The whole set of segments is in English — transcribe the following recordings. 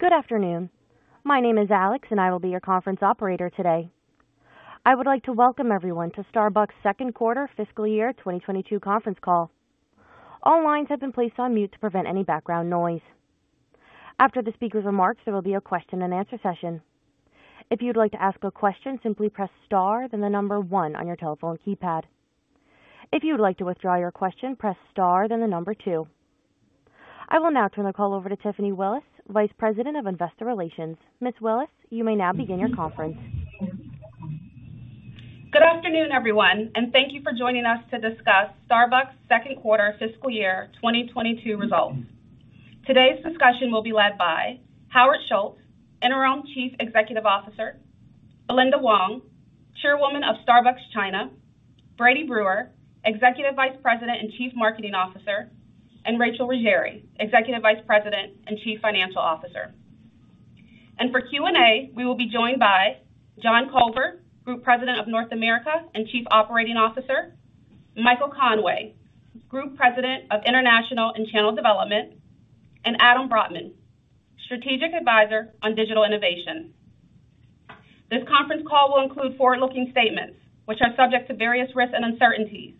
Good afternoon. My name is Alex, and I will be your conference operator today. I would like to welcome everyone to Starbucks second quarter fiscal year 2022 conference call. All lines have been placed on mute to prevent any background noise. After the speaker's remarks, there will be a question-and-answer session. If you'd like to ask a question, simply press star then one on your telephone keypad. If you would like to withdraw your question, press star, then two. I will now turn the call over to Tiffany Willis, Vice President of Investor Relations. Ms. Willis, you may now begin your conference. Good afternoon, everyone, and thank you for joining us to discuss Starbucks second quarter fiscal year 2022 results. Today's discussion will be led by Howard Schultz, Interim Chief Executive Officer. Belinda Wong, Chairwoman of Starbucks China. Brady Brewer, Executive Vice President and Chief Marketing Officer, and Rachel Ruggeri, Executive Vice President and Chief Financial Officer. For Q&A, we will be joined by John Culver, Group President of North America and Chief Operating Officer. Michael Conway, Group President of International and Channel Development, and Adam Brotman, Strategic Advisor on Digital Innovation. This conference call will include forward-looking statements which are subject to various risks and uncertainties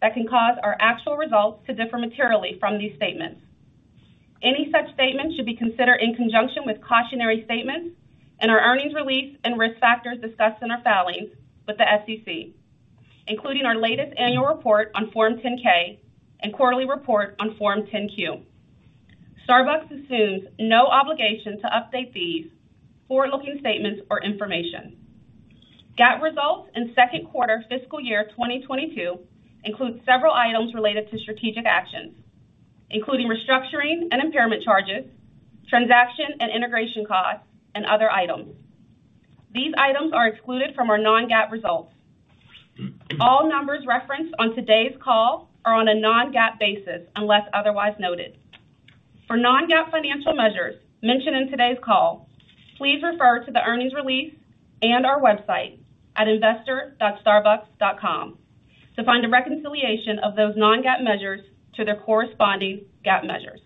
that can cause our actual results to differ materially from these statements. Any such statements should be considered in conjunction with cautionary statements in our earnings release and risk factors discussed in our filings with the SEC, including our latest annual report on Form 10-K and quarterly report on Form 10-Q. Starbucks assumes no obligation to update these forward-looking statements or information. GAAP results in second quarter fiscal year 2022 includes several items related to strategic actions, including restructuring and impairment charges, transaction and integration costs and other items. These items are excluded from our non-GAAP results. All numbers referenced on today's call are on a non-GAAP basis unless otherwise noted. For non-GAAP financial measures mentioned in today's call, please refer to the earnings release and our website at investor.starbucks.com to find a reconciliation of those non-GAAP measures to their corresponding GAAP measures.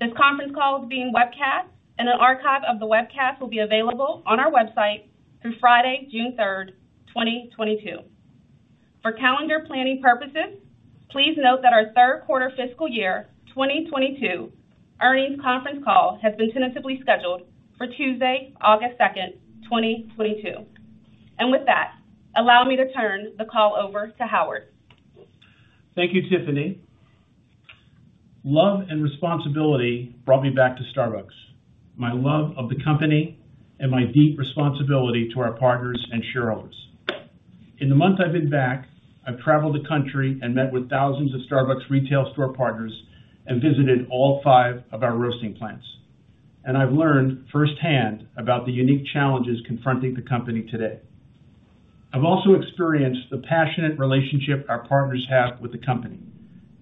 This conference call is being webcast and an archive of the webcast will be available on our website through Friday, June 3rd, 2022. For calendar planning purposes, please note that our third quarter fiscal year 2022 earnings conference call has been tentatively scheduled for Tuesday, August 2nd, 2022. With that, allow me to turn the call over to Howard. Thank you, Tiffany. Love and responsibility brought me back to Starbucks. My love of the company and my deep responsibility to our partners and shareholders. In the months I've been back, I've traveled the country and met with thousands of Starbucks retail store partners and visited all five of our roasting plants. I've learned firsthand about the unique challenges confronting the company today. I've also experienced the passionate relationship our partners have with the company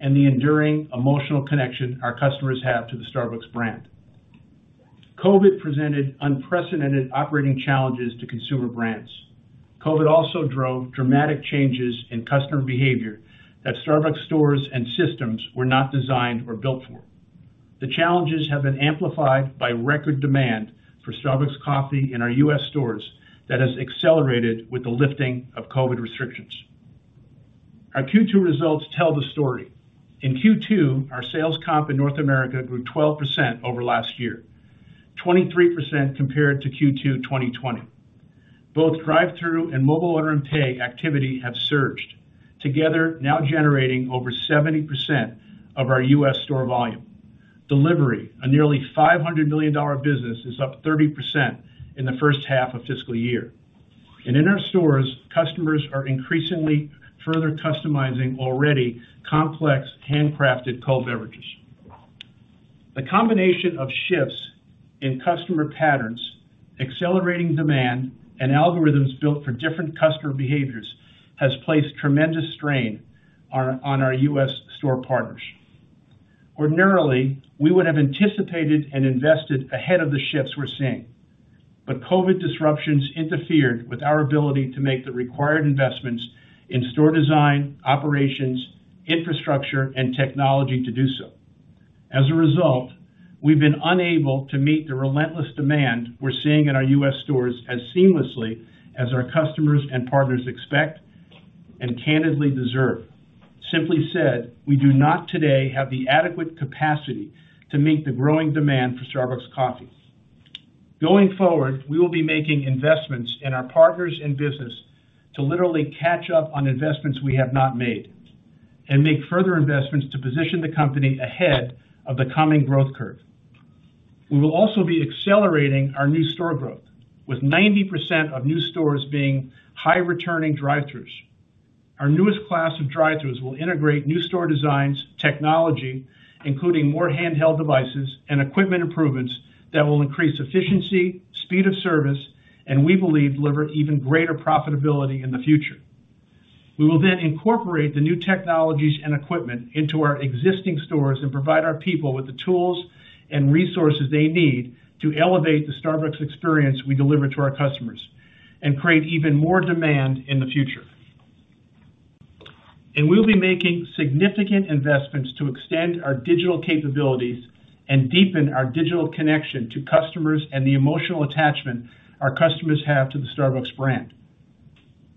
and the enduring emotional connection our customers have to the Starbucks brand. COVID presented unprecedented operating challenges to consumer brands. COVID also drove dramatic changes in customer behavior that Starbucks stores and systems were not designed or built for. The challenges have been amplified by record demand for Starbucks Coffee in our U.S. stores that has accelerated with the lifting of COVID restrictions. Our Q2 results tell the story. In Q2, our sales comp in North America grew 12% over last year, 23% compared to Q2 2020. Both drive-thru and Mobile Order and Pay activity have surged, together now generating over 70% of our U.S. store volume. Delivery, a nearly $500 million business, is up 30% in the first half of fiscal year. In our stores, customers are increasingly further customizing already complex handcrafted cold beverages. The combination of shifts in customer patterns, accelerating demand and algorithms built for different customer behaviors has placed tremendous strain on our U.S. store partners. Ordinarily, we would have anticipated and invested ahead of the shifts we're seeing. COVID disruptions interfered with our ability to make the required investments in store design, operations, infrastructure, and technology to do so. As a result, we've been unable to meet the relentless demand we're seeing in our U.S. stores as seamlessly as our customers and partners expect and candidly deserve. Simply said, we do not today have the adequate capacity to meet the growing demand for Starbucks coffee. Going forward, we will be making investments in our partners and business to literally catch up on investments we have not made and make further investments to position the company ahead of the coming growth curve. We will also be accelerating our new store growth, with 90% of new stores being high returning drive-thrus. Our newest class of drive-thrus will integrate new store designs, technology, including more handheld devices and equipment improvements that will increase efficiency, speed of service, and we believe deliver even greater profitability in the future. We will then incorporate the new technologies and equipment into our existing stores and provide our people with the tools and resources they need to elevate the Starbucks experience we deliver to our customers and create even more demand in the future. We'll be making significant investments to extend our digital capabilities and deepen our digital connection to customers and the emotional attachment our customers have to the Starbucks brand.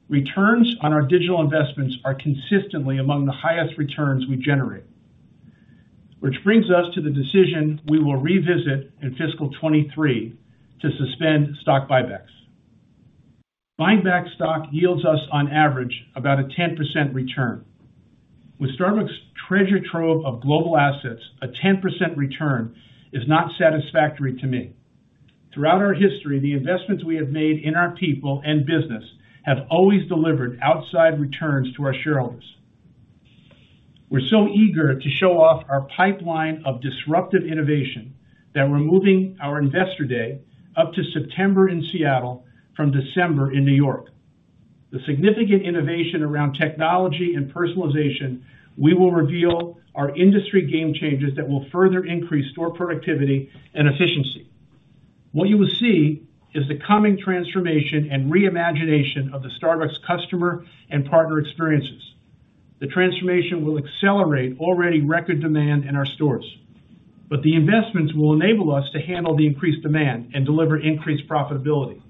Returns on our digital investments are consistently among the highest returns we generate. Which brings us to the decision we will revisit in fiscal 2023 to suspend stock buybacks. Buying back stock yields us on average about a 10% return. With Starbucks treasure trove of global assets, a 10% return is not satisfactory to me. Throughout our history, the investments we have made in our people and business have always delivered outsize returns to our shareholders. We're so eager to show off our pipeline of disruptive innovation that we're moving our Investor Day up to September in Seattle from December in New York. The significant innovation around technology and personalization. We will reveal our industry game changers that will further increase store productivity and efficiency. What you will see is the coming transformation and re-imagination of the Starbucks customer and partner experiences. The transformation will accelerate already record demand in our stores. The investments will enable us to handle the increased demand and deliver increased profitability,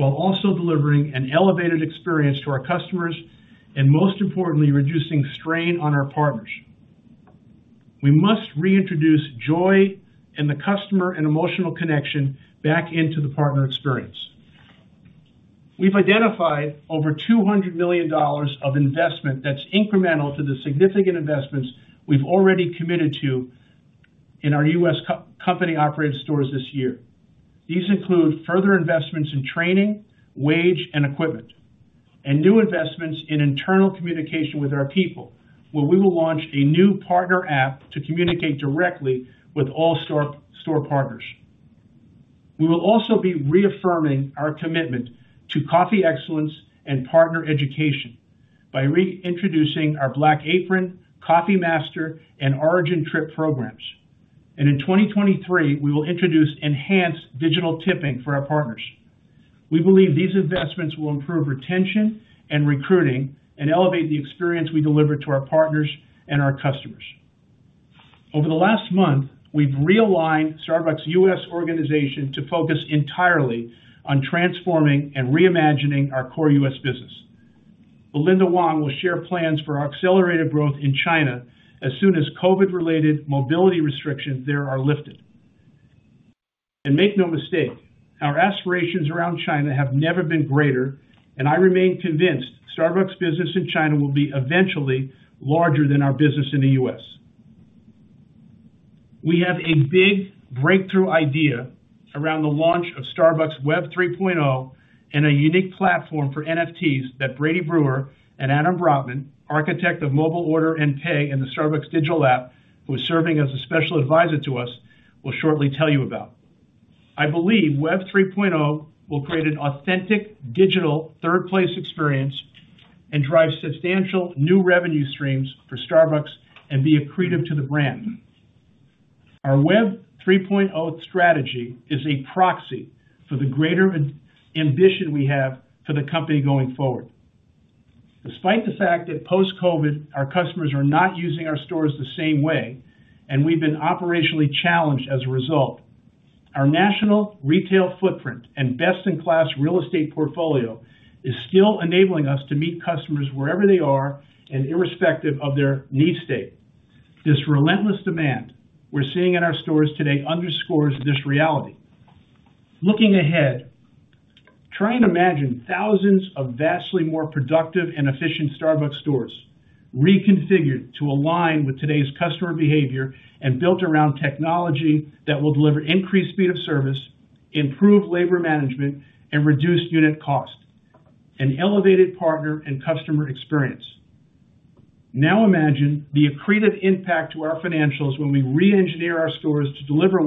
while also delivering an elevated experience to our customers and most importantly, reducing strain on our partners. We must reintroduce joy in the customer and emotional connection back into the partner experience. We've identified over $200 million of investment that's incremental to the significant investments we've already committed to in our U.S. company-operated stores this year. These include further investments in training, wage, and equipment. New investments in internal communication with our people, where we will launch a new partner app to communicate directly with all store partners. We will also be reaffirming our commitment to coffee excellence and partner education by reintroducing our Black Apron, Coffee Master, and Origin Experience programs. In 2023, we will introduce enhanced digital tipping for our partners. We believe these investments will improve retention and recruiting and elevate the experience we deliver to our partners and our customers. Over the last month, we've realigned Starbucks U.S. organization to focus entirely on transforming and reimagining our core U.S. business. Belinda Wong will share plans for our accelerated growth in China as soon as COVID-related mobility restrictions there are lifted. Make no mistake, our aspirations around China have never been greater, and I remain convinced Starbucks business in China will be eventually larger than our business in the U.S. We have a big breakthrough idea around the launch of Starbucks Web 3.0, and a unique platform for NFTs that Brady Brewer and Adam Brotman, architect of Mobile Order and Pay in the Starbucks digital app, who is serving as a special advisor to us, will shortly tell you about. I believe Web 3.0 will create an authentic digital third place experience and drive substantial new revenue streams for Starbucks and be accretive to the brand. Our Web 3.0 strategy is a proxy for the greater ambition we have for the company going forward. Despite the fact that post-COVID, our customers are not using our stores the same way, and we've been operationally challenged as a result, our national retail footprint and best-in-class real estate portfolio is still enabling us to meet customers wherever they are and irrespective of their need state. This relentless demand we're seeing in our stores today underscores this reality. Looking ahead, try and imagine thousands of vastly more productive and efficient Starbucks stores reconfigured to align with today's customer behavior and built around technology that will deliver increased speed of service, improved labor management, and reduced unit cost. An elevated partner and customer experience. Now imagine the accretive impact to our financials when we reengineer our stores to deliver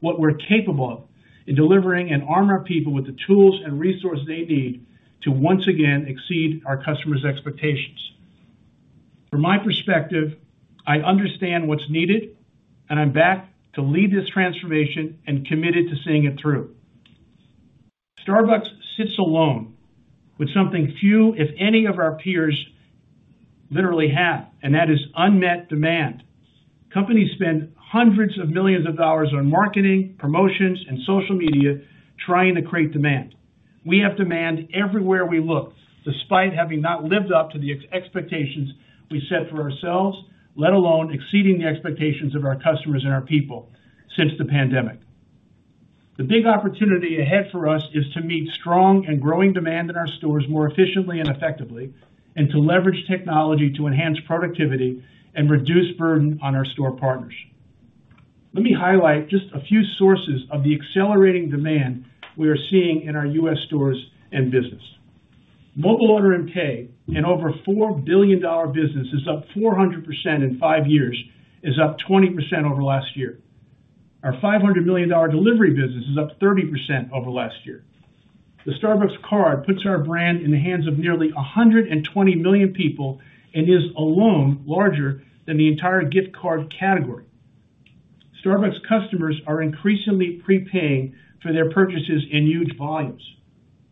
what we're capable of in delivering and arm our people with the tools and resources they need to once again exceed our customers' expectations. From my perspective, I understand what's needed, and I'm back to lead this transformation and committed to seeing it through. Starbucks sits alone with something few, if any, of our peers literally have, and that is unmet demand. Companies spend hundreds of millions of dollars on marketing, promotions, and social media trying to create demand. We have demand everywhere we look, despite having not lived up to the expectations we set for ourselves, let alone exceeding the expectations of our customers and our people since the pandemic. The big opportunity ahead for us is to meet strong and growing demand in our stores more efficiently and effectively, and to leverage technology to enhance productivity and reduce burden on our store partners. Let me highlight just a few sources of the accelerating demand we are seeing in our U.S. stores and business. Mobile Order and Pay, an over $4 billion business, is up 400% in five years, is up 20% over last year. Our $500 million delivery business is up 30% over last year. The Starbucks Card puts our brand in the hands of nearly 120 million people and is alone larger than the entire gift card category. Starbucks customers are increasingly prepaying for their purchases in huge volumes.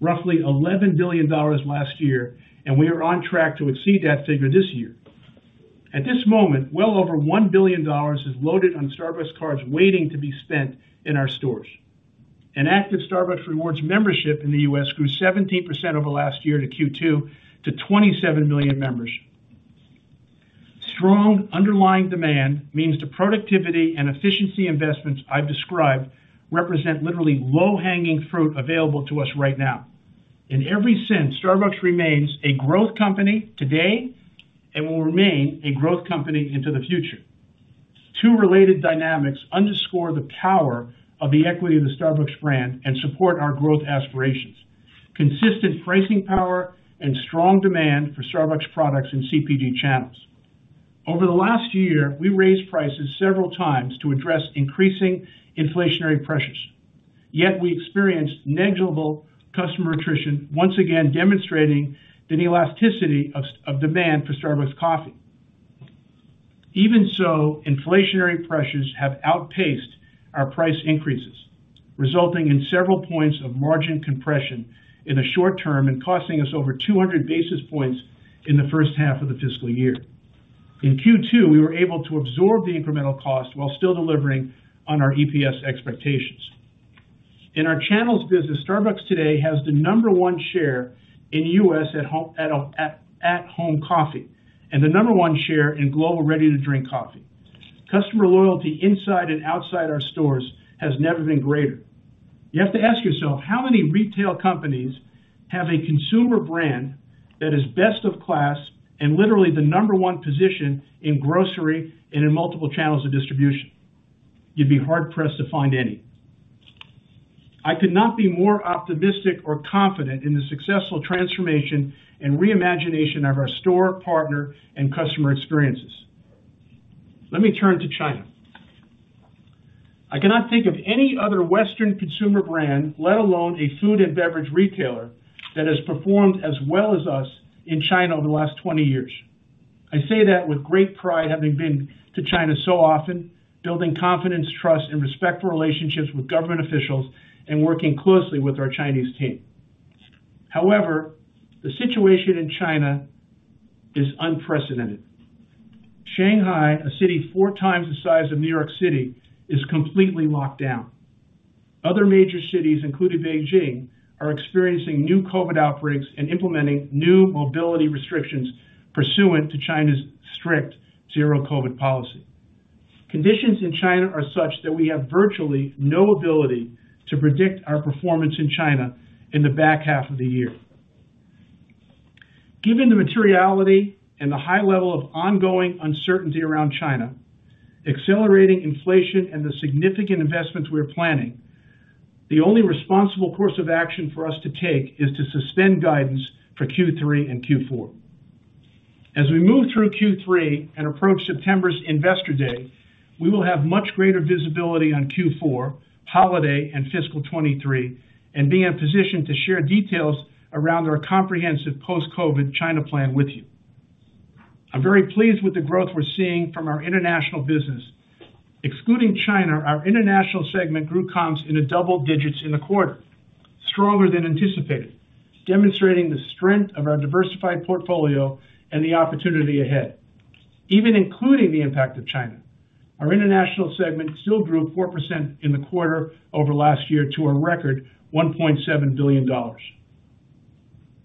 Roughly $11 billion last year, we are on track to exceed that figure this year. At this moment, well over $1 billion is loaded on Starbucks Cards waiting to be spent in our stores. An active Starbucks Rewards membership in the U.S. grew 17% over last year to Q2 to 27 million members. Strong underlying demand means the productivity and efficiency investments I've described represent literally low-hanging fruit available to us right now. In every sense, Starbucks remains a growth company today and will remain a growth company into the future. Two related dynamics underscore the power of the equity of the Starbucks brand and support our growth aspirations. Consistent pricing power and strong demand for Starbucks products in CPG channels. Over the last year, we raised prices several times to address increasing inflationary pressures, yet we experienced negligible customer attrition, once again demonstrating the elasticity of demand for Starbucks coffee. Even so, inflationary pressures have outpaced our price increases, resulting in several points of margin compression in the short term and costing us over 200 basis points in the first half of the fiscal year. In Q2, we were able to absorb the incremental cost while still delivering on our EPS expectations. In our channels business, Starbucks today has the number one share in U.S. at-home coffee, and the number one share in global Ready to Drink coffee. Customer loyalty inside and outside our stores has never been greater. You have to ask yourself, how many retail companies have a consumer brand that is best of class and literally the number one position in grocery and in multiple channels of distribution? You'd be hard-pressed to find any. I could not be more optimistic or confident in the successful transformation and reimagination of our store, partner, and customer experiences. Let me turn to China. I cannot think of any other Western consumer brand, let alone a Food & Beverage retailer, that has performed as well as us in China over the last 20 years. I say that with great pride, having been to China so often, building confidence, trust, and respect for relationships with government officials and working closely with our Chinese team. However, the situation in China is unprecedented. Shanghai, a city four times the size of New York City, is completely locked down. Other major cities, including Beijing, are experiencing new COVID outbreaks and implementing new mobility restrictions pursuant to China's strict zero COVID policy. Conditions in China are such that we have virtually no ability to predict our performance in China in the back half of the year. Given the materiality and the high level of ongoing uncertainty around China, accelerating inflation and the significant investments we're planning, the only responsible course of action for us to take is to suspend guidance for Q3 and Q4. As we move through Q3 and approach September's Investor Day, we will have much greater visibility on Q4, holiday, and fiscal 2023, and be in a position to share details around our comprehensive post-COVID China plan with you. I'm very pleased with the growth we're seeing from our international business. Excluding China, our international segment grew comps in the double digits in the quarter, stronger than anticipated, demonstrating the strength of our diversified portfolio and the opportunity ahead. Even including the impact of China, our international segment still grew 4% in the quarter over last year to a record $1.7 billion.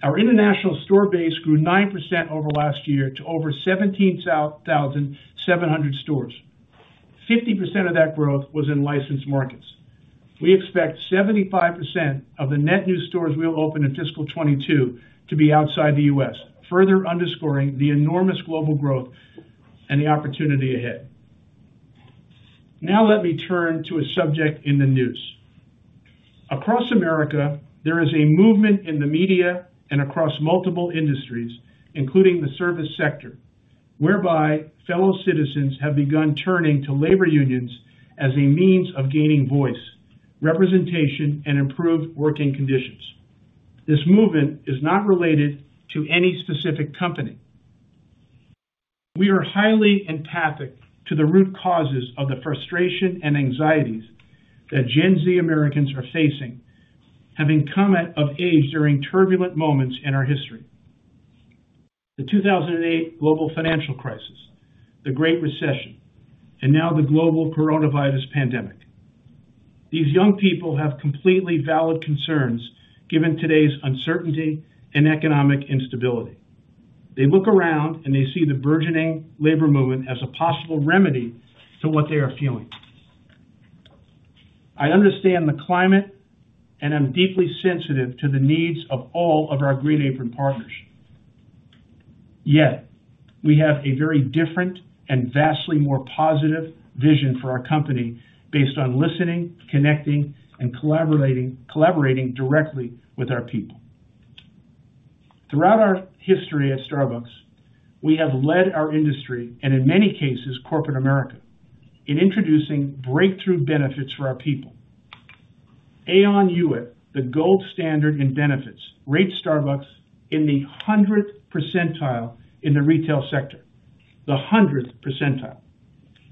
Our international store base grew 9% over last year to over 17,700 stores. 50% of that growth was in licensed markets. We expect 75% of the net new stores we'll open in fiscal 2022 to be outside the U.S., further underscoring the enormous global growth and the opportunity ahead. Now let me turn to a subject in the news. Across America, there is a movement in the media and across multiple industries, including the service sector, whereby fellow citizens have begun turning to labor unions as a means of gaining voice, representation, and improved working conditions. This movement is not related to any specific company. We are highly empathic to the root causes of the frustration and anxieties that Gen Z Americans are facing, having come of age during turbulent moments in our history. The 2008 global financial crisis, the Great Recession, and now the global coronavirus pandemic. These young people have completely valid concerns given today's uncertainty and economic instability. They look around and they see the burgeoning labor movement as a possible remedy to what they are feeling. I understand the climate, and I'm deeply sensitive to the needs of all of our Green Apron partners. Yet we have a very different and vastly more positive vision for our company based on listening, connecting, and collaborating directly with our people. Throughout our history at Starbucks, we have led our industry, and in many cases, corporate America, in introducing breakthrough benefits for our people. Aon Hewitt, the gold standard in benefits, rates Starbucks in the 100th percentile in the retail sector, the 100th percentile.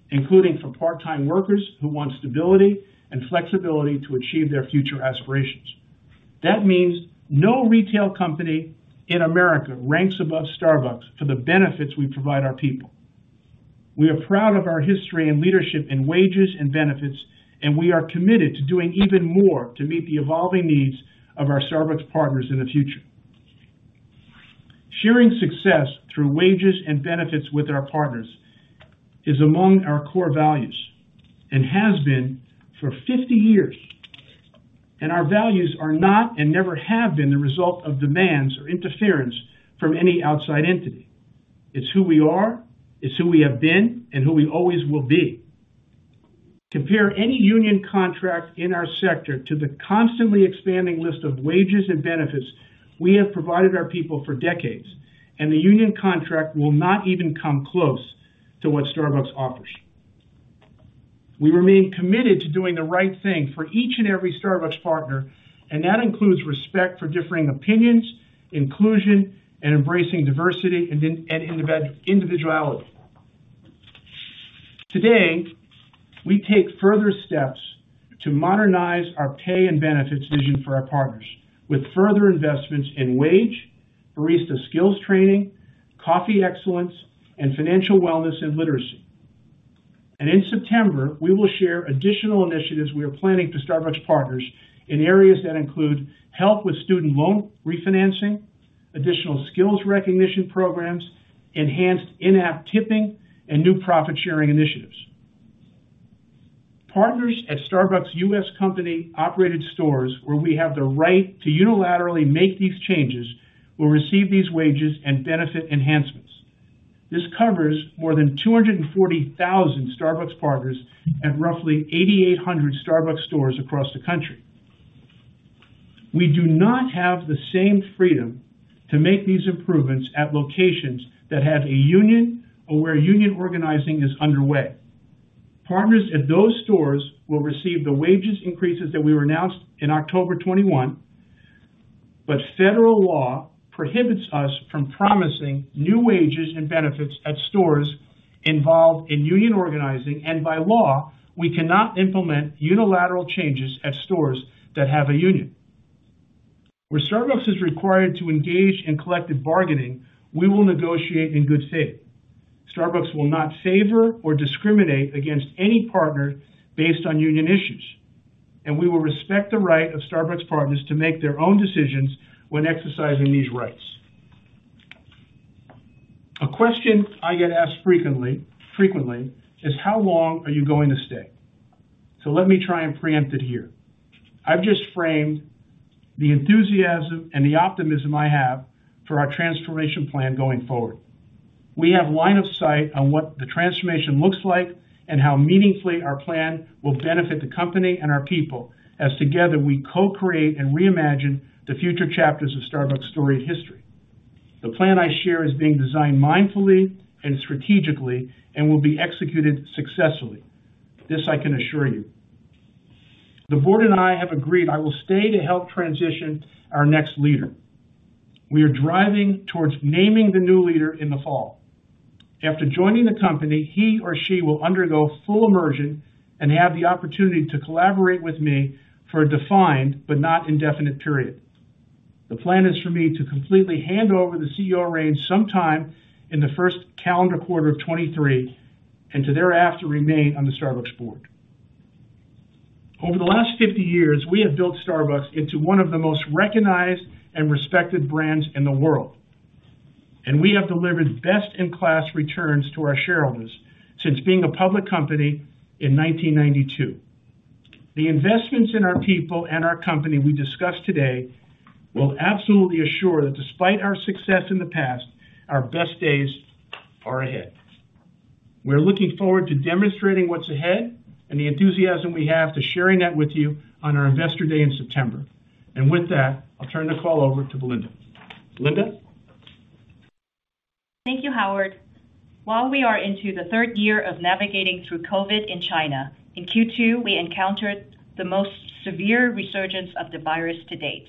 Including for part-time workers who want stability and flexibility to achieve their future aspirations. That means no retail company in America ranks above Starbucks for the benefits we provide our people. We are proud of our history and leadership in wages and benefits, and we are committed to doing even more to meet the evolving needs of our Starbucks partners in the future. Sharing success through wages and benefits with our partners is among our core values and has been for 50 years. Our values are not and never have been the result of demands or interference from any outside entity. It's who we are, it's who we have been, and who we always will be. Compare any union contract in our sector to the constantly expanding list of wages and benefits we have provided our people for decades, and the union contract will not even come close to what Starbucks offers. We remain committed to doing the right thing for each and every Starbucks partner, and that includes respect for differing opinions, inclusion and embracing diversity and individuality. Today, we take further steps to modernize our pay and benefits vision for our partners with further investments in wage, barista skills training, coffee excellence, and financial wellness and literacy. In September, we will share additional initiatives we are planning for Starbucks partners in areas that include help with student loan refinancing, additional skills recognition programs, enhanced in-app tipping and new profit-sharing initiatives. Partners at Starbucks U.S. company-operated stores, where we have the right to unilaterally make these changes, will receive these wages and benefit enhancements. This covers more than 240,000 Starbucks partners at roughly 8,800 Starbucks stores across the country. We do not have the same freedom to make these improvements at locations that have a union or where union organizing is underway. Partners at those stores will receive the wages increases that we announced in October 2021. Federal law prohibits us from promising new wages and benefits at stores involved in union organizing, and by law, we cannot implement unilateral changes at stores that have a union. Where Starbucks is required to engage in collective bargaining, we will negotiate in good faith. Starbucks will not favor or discriminate against any partner based on union issues, and we will respect the right of Starbucks partners to make their own decisions when exercising these rights. A question I get asked frequently is, how long are you going to stay? Let me try and preempt it here. I've just framed the enthusiasm and the optimism I have for our transformation plan going forward. We have line of sight on what the transformation looks like and how meaningfully our plan will benefit the company and our people as together we co-create and reimagine the future chapters of Starbucks' storied history. The plan I share is being designed mindfully and strategically and will be executed successfully. This I can assure you. The Board and I have agreed I will stay to help transition our next leader. We are driving towards naming the new leader in the fall. After joining the company, he or she will undergo full immersion and have the opportunity to collaborate with me for a defined but not indefinite period. The plan is for me to completely hand over the CEO reins sometime in the first calendar quarter of 2023 and to thereafter remain on the Starbucks Board. Over the last 50 years, we have built Starbucks into one of the most recognized and respected brands in the world, and we have delivered best-in-class returns to our shareholders since being a public company in 1992. The investments in our people and our company we discussed today will absolutely assure that despite our success in the past, our best days are ahead. We're looking forward to demonstrating what's ahead and the enthusiasm we have to sharing that with you on our Investor Day in September. With that, I'll turn the call over to Belinda. Belinda? Thank you, Howard. While we are into the third year of navigating through COVID in China, in Q2, we encountered the most severe resurgence of the virus to date.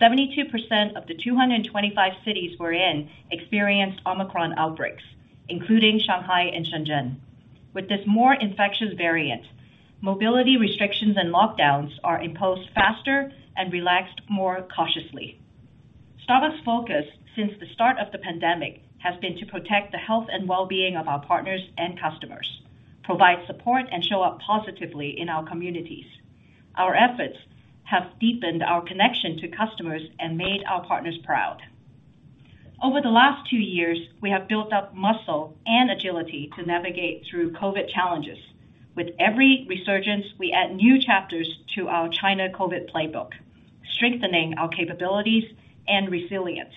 72% of the 225 cities we're in experienced Omicron outbreaks, including Shanghai and Shenzhen. With this more infectious variant, mobility restrictions and lockdowns are imposed faster and relaxed more cautiously. Starbucks' focus since the start of the pandemic has been to protect the health and well-being of our partners and customers, provide support, and show up positively in our communities. Our efforts have deepened our connection to customers and made our partners proud. Over the last two years, we have built up muscle and agility to navigate through COVID challenges. With every resurgence, we add new chapters to our China COVID playbook, strengthening our capabilities and resilience.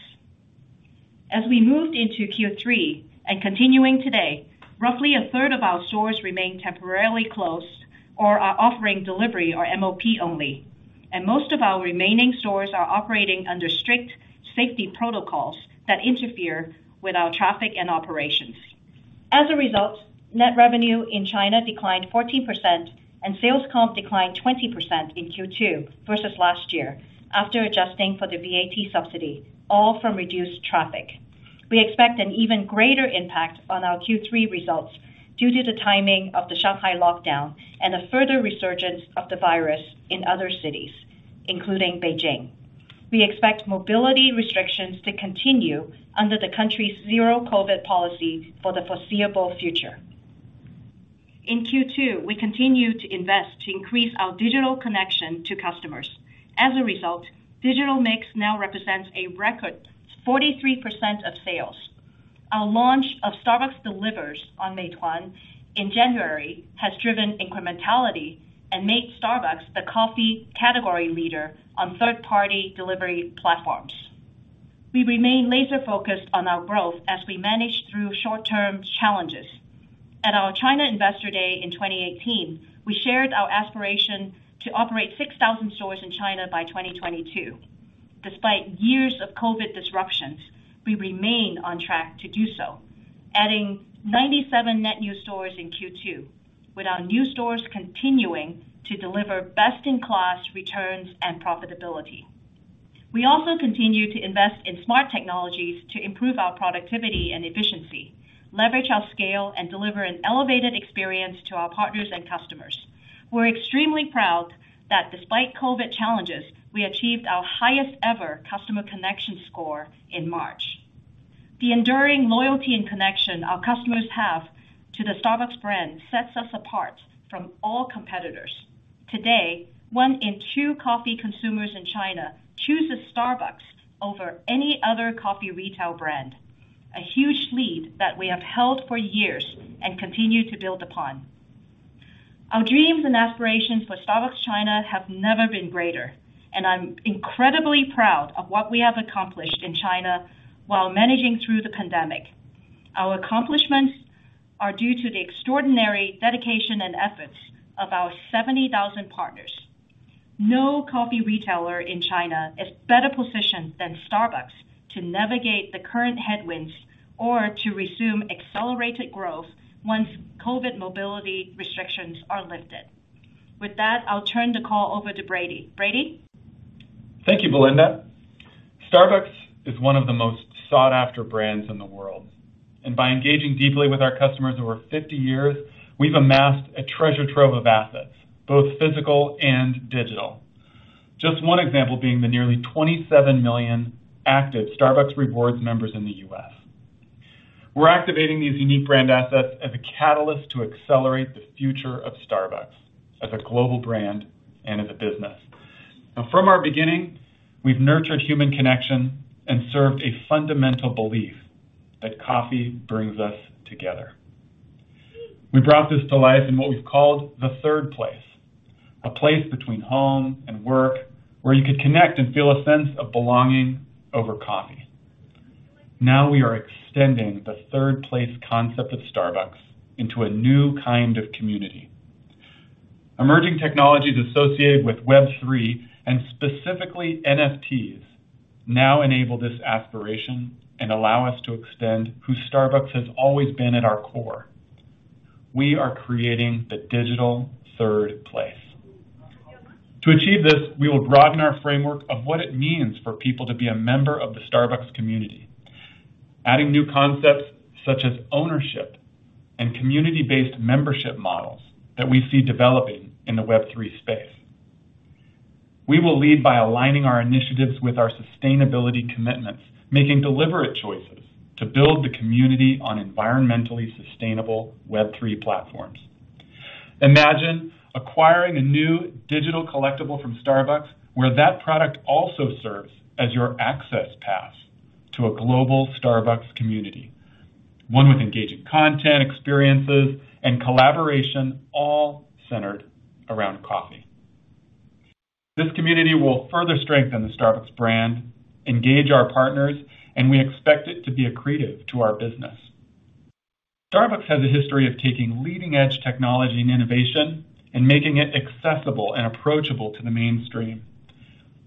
As we moved into Q3 and continuing today, roughly 1/3 of our stores remain temporarily closed or are offering delivery or MOP only, and most of our remaining stores are operating under strict safety protocols that interfere with our traffic and operations. As a result, net revenue in China declined 14% and sales comp declined 20% in Q2 versus last year after adjusting for the VAT subsidy, all from reduced traffic. We expect an even greater impact on our Q3 results due to the timing of the Shanghai lockdown and a further resurgence of the virus in other cities, including Beijing. We expect mobility restrictions to continue under the country's zero COVID policy for the foreseeable future. In Q2, we continued to invest to increase our digital connection to customers. As a result, digital mix now represents a record 43% of sales. Our launch of Starbucks Delivers on Meituan in January has driven incrementality and made Starbucks the coffee category leader on third-party delivery platforms. We remain laser focused on our growth as we manage through short-term challenges. At our China Investor Day in 2018, we shared our aspiration to operate 6,000 stores in China by 2022. Despite years of COVID disruptions, we remain on track to do so, adding 97 net new stores in Q2, with our new stores continuing to deliver best-in-class returns and profitability. We also continue to invest in smart technologies to improve our productivity and efficiency, leverage our scale, and deliver an elevated experience to our partners and customers. We're extremely proud that despite COVID challenges, we achieved our highest ever customer connection score in March. The enduring loyalty and connection our customers have to the Starbucks brand sets us apart from all competitors. Today, one in two coffee consumers in China chooses Starbucks over any other coffee retail brand, a huge lead that we have held for years and continue to build upon. Our dreams and aspirations for Starbucks China have never been greater, and I'm incredibly proud of what we have accomplished in China while managing through the pandemic. Our accomplishments are due to the extraordinary dedication and efforts of our 70,000 partners. No coffee retailer in China is better positioned than Starbucks to navigate the current headwinds or to resume accelerated growth once COVID mobility restrictions are lifted. With that, I'll turn the call over to Brady. Brady? Thank you, Belinda. Starbucks is one of the most sought-after brands in the world. By engaging deeply with our customers over 50 years, we've amassed a treasure trove of assets, both physical and digital. Just one example being the nearly 27 million active Starbucks Rewards members in the U.S. We're activating these unique brand assets as a catalyst to accelerate the future of Starbucks as a global brand and as a business. Now from our beginning, we've nurtured human connection and served a fundamental belief that coffee brings us together. We brought this to life in what we've called the third place, a place between home and work where you could connect and feel a sense of belonging over coffee. Now we are extending the third place concept of Starbucks into a new kind of community. Emerging technologies associated with Web 3.0,and specifically NFTs now enable this aspiration and allow us to extend who Starbucks has always been at our core. We are creating the digital third place. To achieve this, we will broaden our framework of what it means for people to be a member of the Starbucks community, adding new concepts such as ownership and community-based membership models that we see developing in the Web 3.0 Space. We will lead by aligning our initiatives with our sustainability commitments, making deliberate choices to build the community on environmentally sustainable Web 3.0 platforms. Imagine acquiring a new digital collectible from Starbucks, where that product also serves as your access pass to a global Starbucks community, one with engaging content, experiences, and collaboration all centered around coffee. This community will further strengthen the Starbucks brand, engage our partners, and we expect it to be accretive to our business. Starbucks has a history of taking leading-edge technology and innovation and making it accessible and approachable to the mainstream.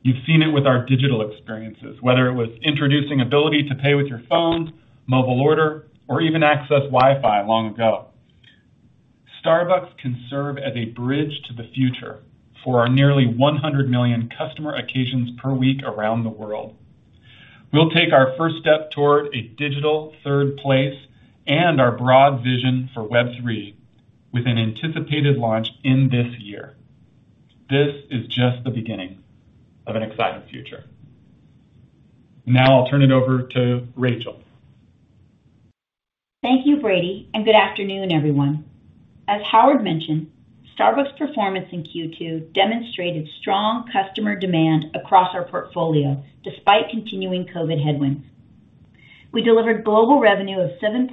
You've seen it with our digital experiences, whether it was introducing ability to pay with your phone, mobile order, or even access Wi-Fi long ago. Starbucks can serve as a bridge to the future for our nearly 100 million customer occasions per week around the world. We'll take our first step toward a digital third place and our broad vision for Web 3.0 With an anticipated launch in this year. This is just the beginning of an exciting future. Now I'll turn it over to Rachel. Thank you, Brady, and good afternoon, everyone. As Howard mentioned, Starbucks' performance in Q2 demonstrated strong customer demand across our portfolio despite continuing COVID headwinds. We delivered global revenue of $7.6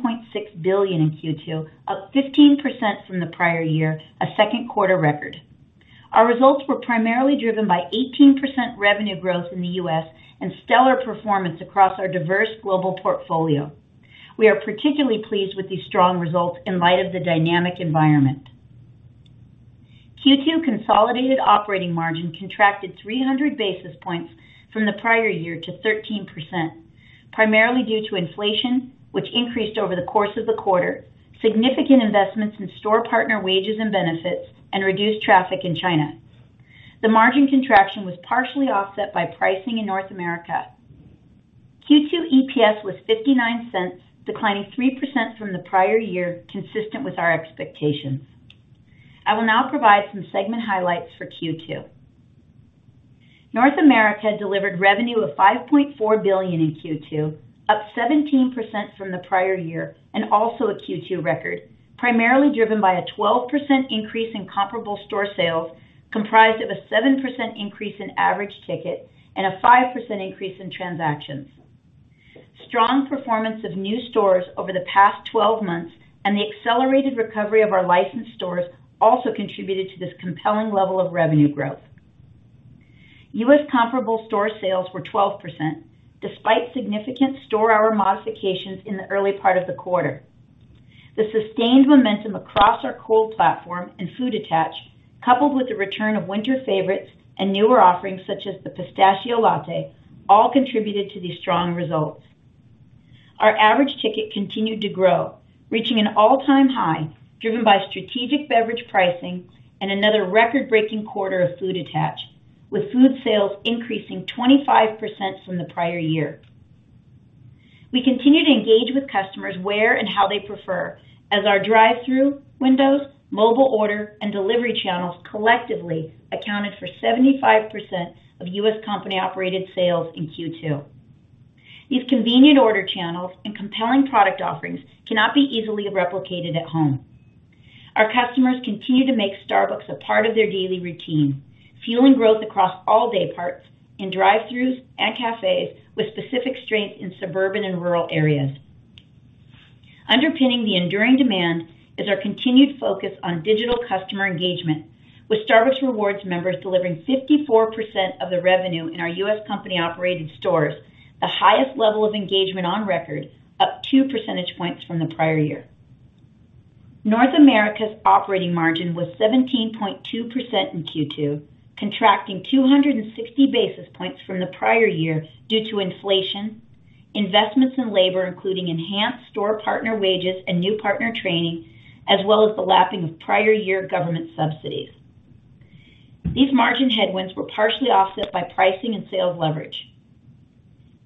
billion in Q2, up 15% from the prior year, a second quarter record. Our results were primarily driven by 18% revenue growth in the U.S. and stellar performance across our diverse global portfolio. We are particularly pleased with these strong results in light of the dynamic environment. Q2 consolidated operating margin contracted 300 basis points from the prior year to 13%, primarily due to inflation, which increased over the course of the quarter, significant investments in store partner wages and benefits and reduced traffic in China. The margin contraction was partially offset by pricing in North America. Q2 EPS was $0.59, declining 3% from the prior year, consistent with our expectations. I will now provide some segment highlights for Q2. North America delivered revenue of $5.4 billion in Q2, up 17% from the prior year, and also a Q2 record, primarily driven by a 12% increase in comparable store sales, comprised of a 7% increase in average ticket and a 5% increase in transactions. Strong performance of new stores over the past 12 months and the accelerated recovery of our licensed stores also contributed to this compelling level of revenue growth. U.S. comparable store sales were 12% despite significant store hour modifications in the early part of the quarter. The sustained momentum across our cold platform and food attach, coupled with the return of winter favorites and newer offerings such as the Pistachio Latte, all contributed to these strong results. Our average ticket continued to grow, reaching an all-time high, driven by strategic beverage pricing and another record-breaking quarter of food attach, with food sales increasing 25% from the prior year. We continue to engage with customers where and how they prefer, as our drive-thru windows, mobile order and delivery channels collectively accounted for 75% of U.S. company-operated sales in Q2. These convenient order channels and compelling product offerings cannot be easily replicated at home. Our customers continue to make Starbucks a part of their daily routine, fueling growth across all day parts in drive-thrus and cafes with specific strength in suburban and rural areas. Underpinning the enduring demand is our continued focus on digital customer engagement, with Starbucks Rewards members delivering 54% of the revenue in our U.S. company-operated stores, the highest level of engagement on record, up 2 percentage points from the prior year. North America's operating margin was 17.2% in Q2, contracting 260 basis points from the prior year due to inflation, investments in labor, including enhanced store partner wages and new partner training, as well as the lapping of prior year government subsidies. These margin headwinds were partially offset by pricing and sales leverage.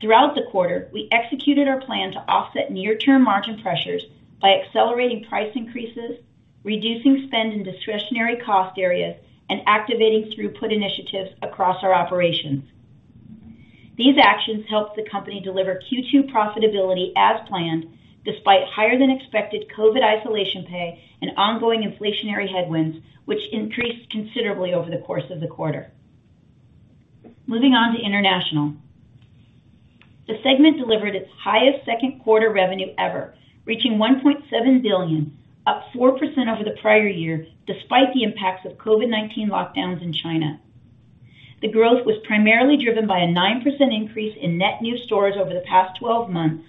Throughout the quarter, we executed our plan to offset near-term margin pressures by accelerating price increases, reducing spend in discretionary cost areas, and activating throughput initiatives across our operations. These actions helped the company deliver Q2 profitability as planned, despite higher than expected COVID isolation pay and ongoing inflationary headwinds, which increased considerably over the course of the quarter. Moving on to International. The segment delivered its highest second quarter revenue ever, reaching $1.7 billion, up 4% over the prior year, despite the impacts of COVID-19 lockdowns in China. The growth was primarily driven by a 9% increase in net new stores over the past 12 months,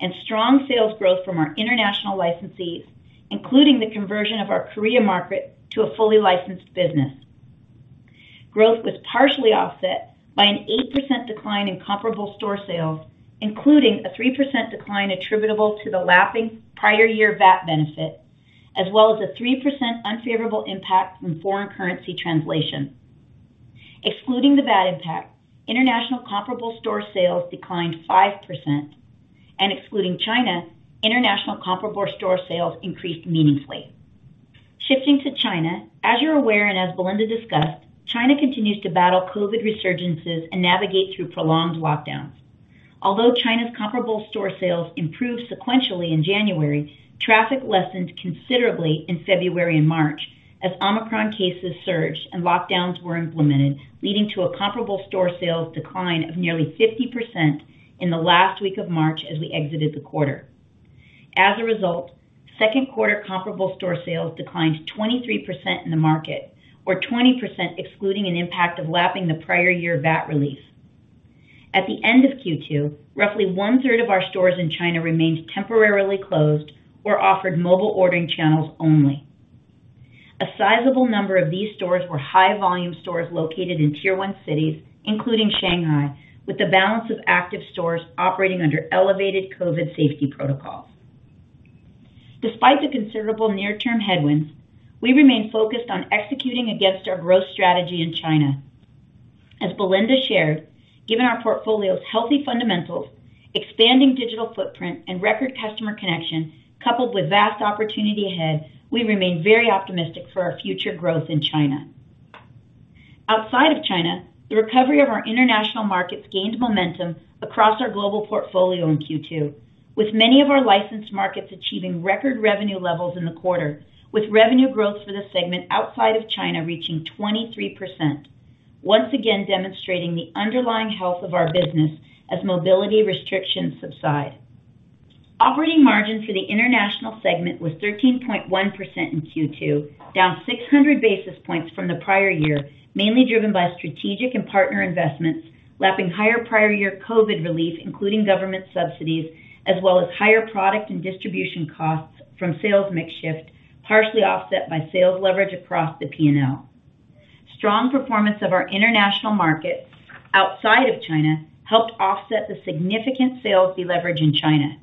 and strong sales growth from our international licensees, including the conversion of our Korea market to a fully licensed business. Growth was partially offset by an 8% decline in comparable store sales, including a 3% decline attributable to the lapping prior year VAT benefit, as well as a 3% unfavorable impact from foreign currency translation. Excluding the VAT impact, international comparable store sales declined 5%. Excluding China, international comparable store sales increased meaningfully. Shifting to China, as you're aware, and as Belinda discussed, China continues to battle COVID resurgences and navigate through prolonged lockdowns. Although China's comparable store sales improved sequentially in January, traffic lessened considerably in February and March as Omicron cases surged and lockdowns were implemented, leading to a comparable store sales decline of nearly 50% in the last week of March as we exited the quarter. As a result, second quarter comparable store sales declined 23% in the market, or 20% excluding an impact of lapping the prior year VAT relief. At the end of Q2, roughly 1/3 of our stores in China remained temporarily closed or offered mobile ordering channels only. A sizable number of these stores were high volume stores located in Tier 1 cities, including Shanghai, with the balance of active stores operating under elevated COVID safety protocols. Despite the considerable near-term headwinds, we remain focused on executing against our growth strategy in China. As Belinda shared, given our portfolio's healthy fundamentals, expanding digital footprint and record customer connection, coupled with vast opportunity ahead, we remain very optimistic for our future growth in China. Outside of China, the recovery of our international markets gained momentum across our global portfolio in Q2, with many of our licensed markets achieving record revenue levels in the quarter, with revenue growth for the segment outside of China reaching 23%, once again demonstrating the underlying health of our business as mobility restrictions subside. Operating margin for the international segment was 13.1% in Q2, down 600 basis points from the prior year, mainly driven by strategic and partner investments, lapping higher prior year COVID relief, including government subsidies, as well as higher product and distribution costs from sales mix shift, partially offset by sales leverage across the P&L. Strong performance of our international markets outside of China helped offset the significant sales deleverage in China.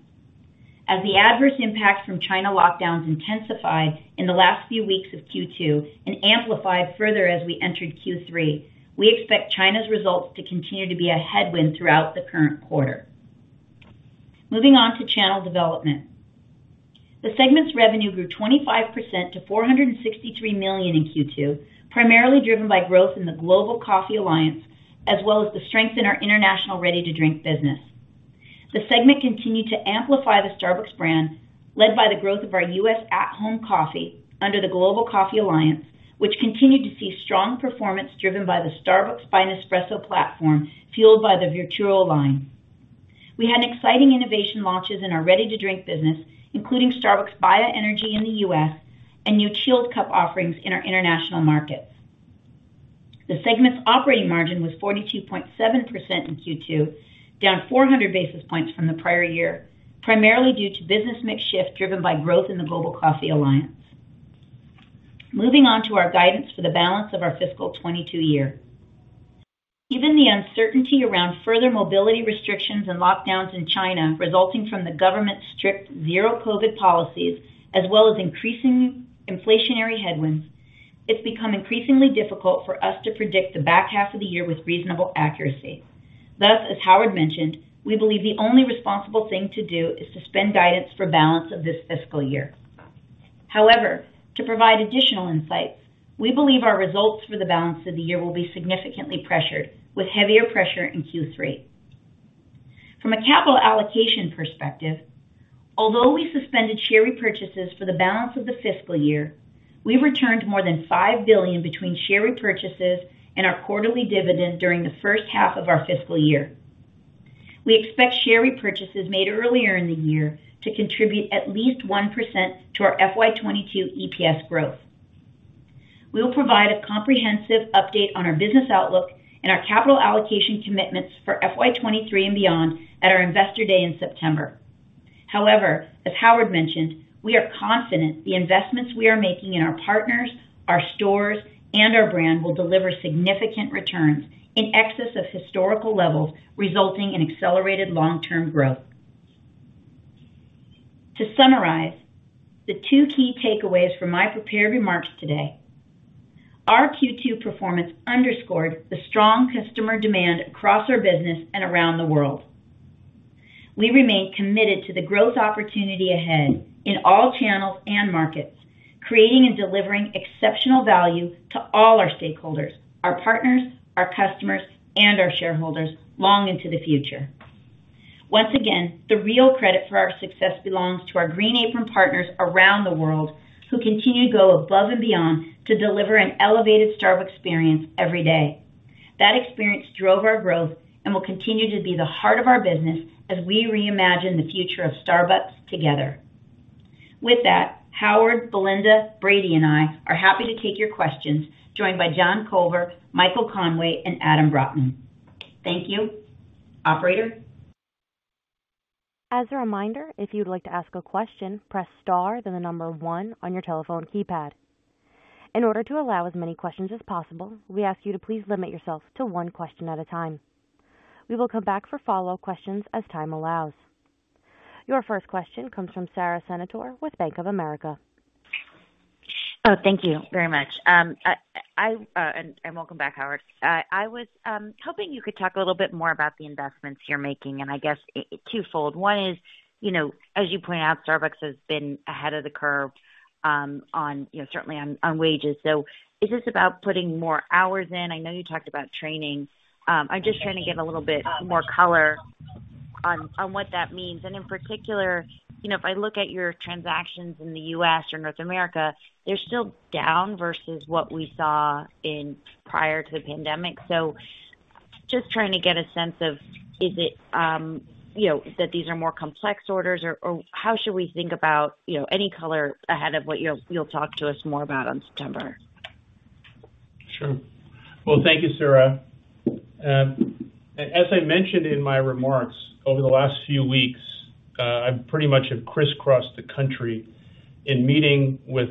As the adverse impact from China lockdowns intensified in the last few weeks of Q2 and amplified further as we entered Q3, we expect China's results to continue to be a headwind throughout the current quarter. Moving on to channel development. The segment's revenue grew 25% to $463 million in Q2, primarily driven by growth in the Global Coffee Alliance, as well as the strength in our international Ready to Drink business. The segment continued to amplify the Starbucks brand, led by the growth of our U.S. at-home coffee under the Global Coffee Alliance, which continued to see strong performance driven by the Starbucks by Nespresso platform, fueled by the Vertuo line. We had exciting innovation launches in our Ready to Drink business, including Starbucks BAYA Energy in the U.S. and new chilled cup offerings in our international markets. The segment's operating margin was 42.7% in Q2, down 400 basis points from the prior year, primarily due to business mix shift, driven by growth in the Global Coffee Alliance. Moving on to our guidance for the balance of our fiscal 2022 year. Given the uncertainty around further mobility restrictions and lockdowns in China resulting from the government's strict zero COVID policies, as well as increasing inflationary headwinds, it's become increasingly difficult for us to predict the back half of the year with reasonable accuracy. Thus, as Howard mentioned, we believe the only responsible thing to do is suspend guidance for balance of this fiscal year. However, to provide additional insights, we believe our results for the balance of the year will be significantly pressured, with heavier pressure in Q3. From a capital allocation perspective, although we suspended share repurchases for the balance of the fiscal year, we returned more than $5 billion between share repurchases and our quarterly dividend during the first half of our fiscal year. We expect share repurchases made earlier in the year to contribute at least 1% to our FY 2022 EPS growth. We will provide a comprehensive update on our business outlook and our capital allocation commitments for FY 2023 and beyond at our Investor Day in September. However, as Howard mentioned, we are confident the investments we are making in our partners, our stores, and our brand will deliver significant returns in excess of historical levels, resulting in accelerated long-term growth. To summarize the two key takeaways from my prepared remarks today, our Q2 performance underscored the strong customer demand across our business and around the world. We remain committed to the growth opportunity ahead in all channels and markets, creating and delivering exceptional value to all our stakeholders, our partners, our customers, and our shareholders long into the future. Once again, the real credit for our success belongs to our Green Apron partners around the world who continue to go above and beyond to deliver an elevated Starbucks experience every day. That experience drove our growth and will continue to be the heart of our business as we reimagine the future of Starbucks together. With that, Howard, Belinda, Brady, and I are happy to take your questions, joined by John Culver, Michael Conway, and Adam Brotman. Thank you. Operator? As a reminder, if you'd like to ask a question, press star, then the number one on your telephone keypad. In order to allow as many questions as possible, we ask you to please limit yourself to one question at a time. We will come back for follow-up questions as time allows. Your first question comes from Sara Senatore with Bank of America. Oh, thank you very much. And welcome back, Howard. I was hoping you could talk a little bit more about the investments you're making, and I guess twofold. One is, you know, as you point out, Starbucks has been ahead of the curve on, you know, certainly on wages. So is this about putting more hours in? I know you talked about training. I'm just trying to get a little bit more color on what that means. In particular, you know, if I look at your transactions in the U.S. or North America, they're still down versus what we saw prior to the pandemic. Just trying to get a sense of is it, you know, that these are more complex orders or how should we think about, you know, any color ahead of what you'll talk to us more about on September. Sure. Well, thank you, Sara. As I mentioned in my remarks over the last few weeks, I pretty much have crisscrossed the country in meeting with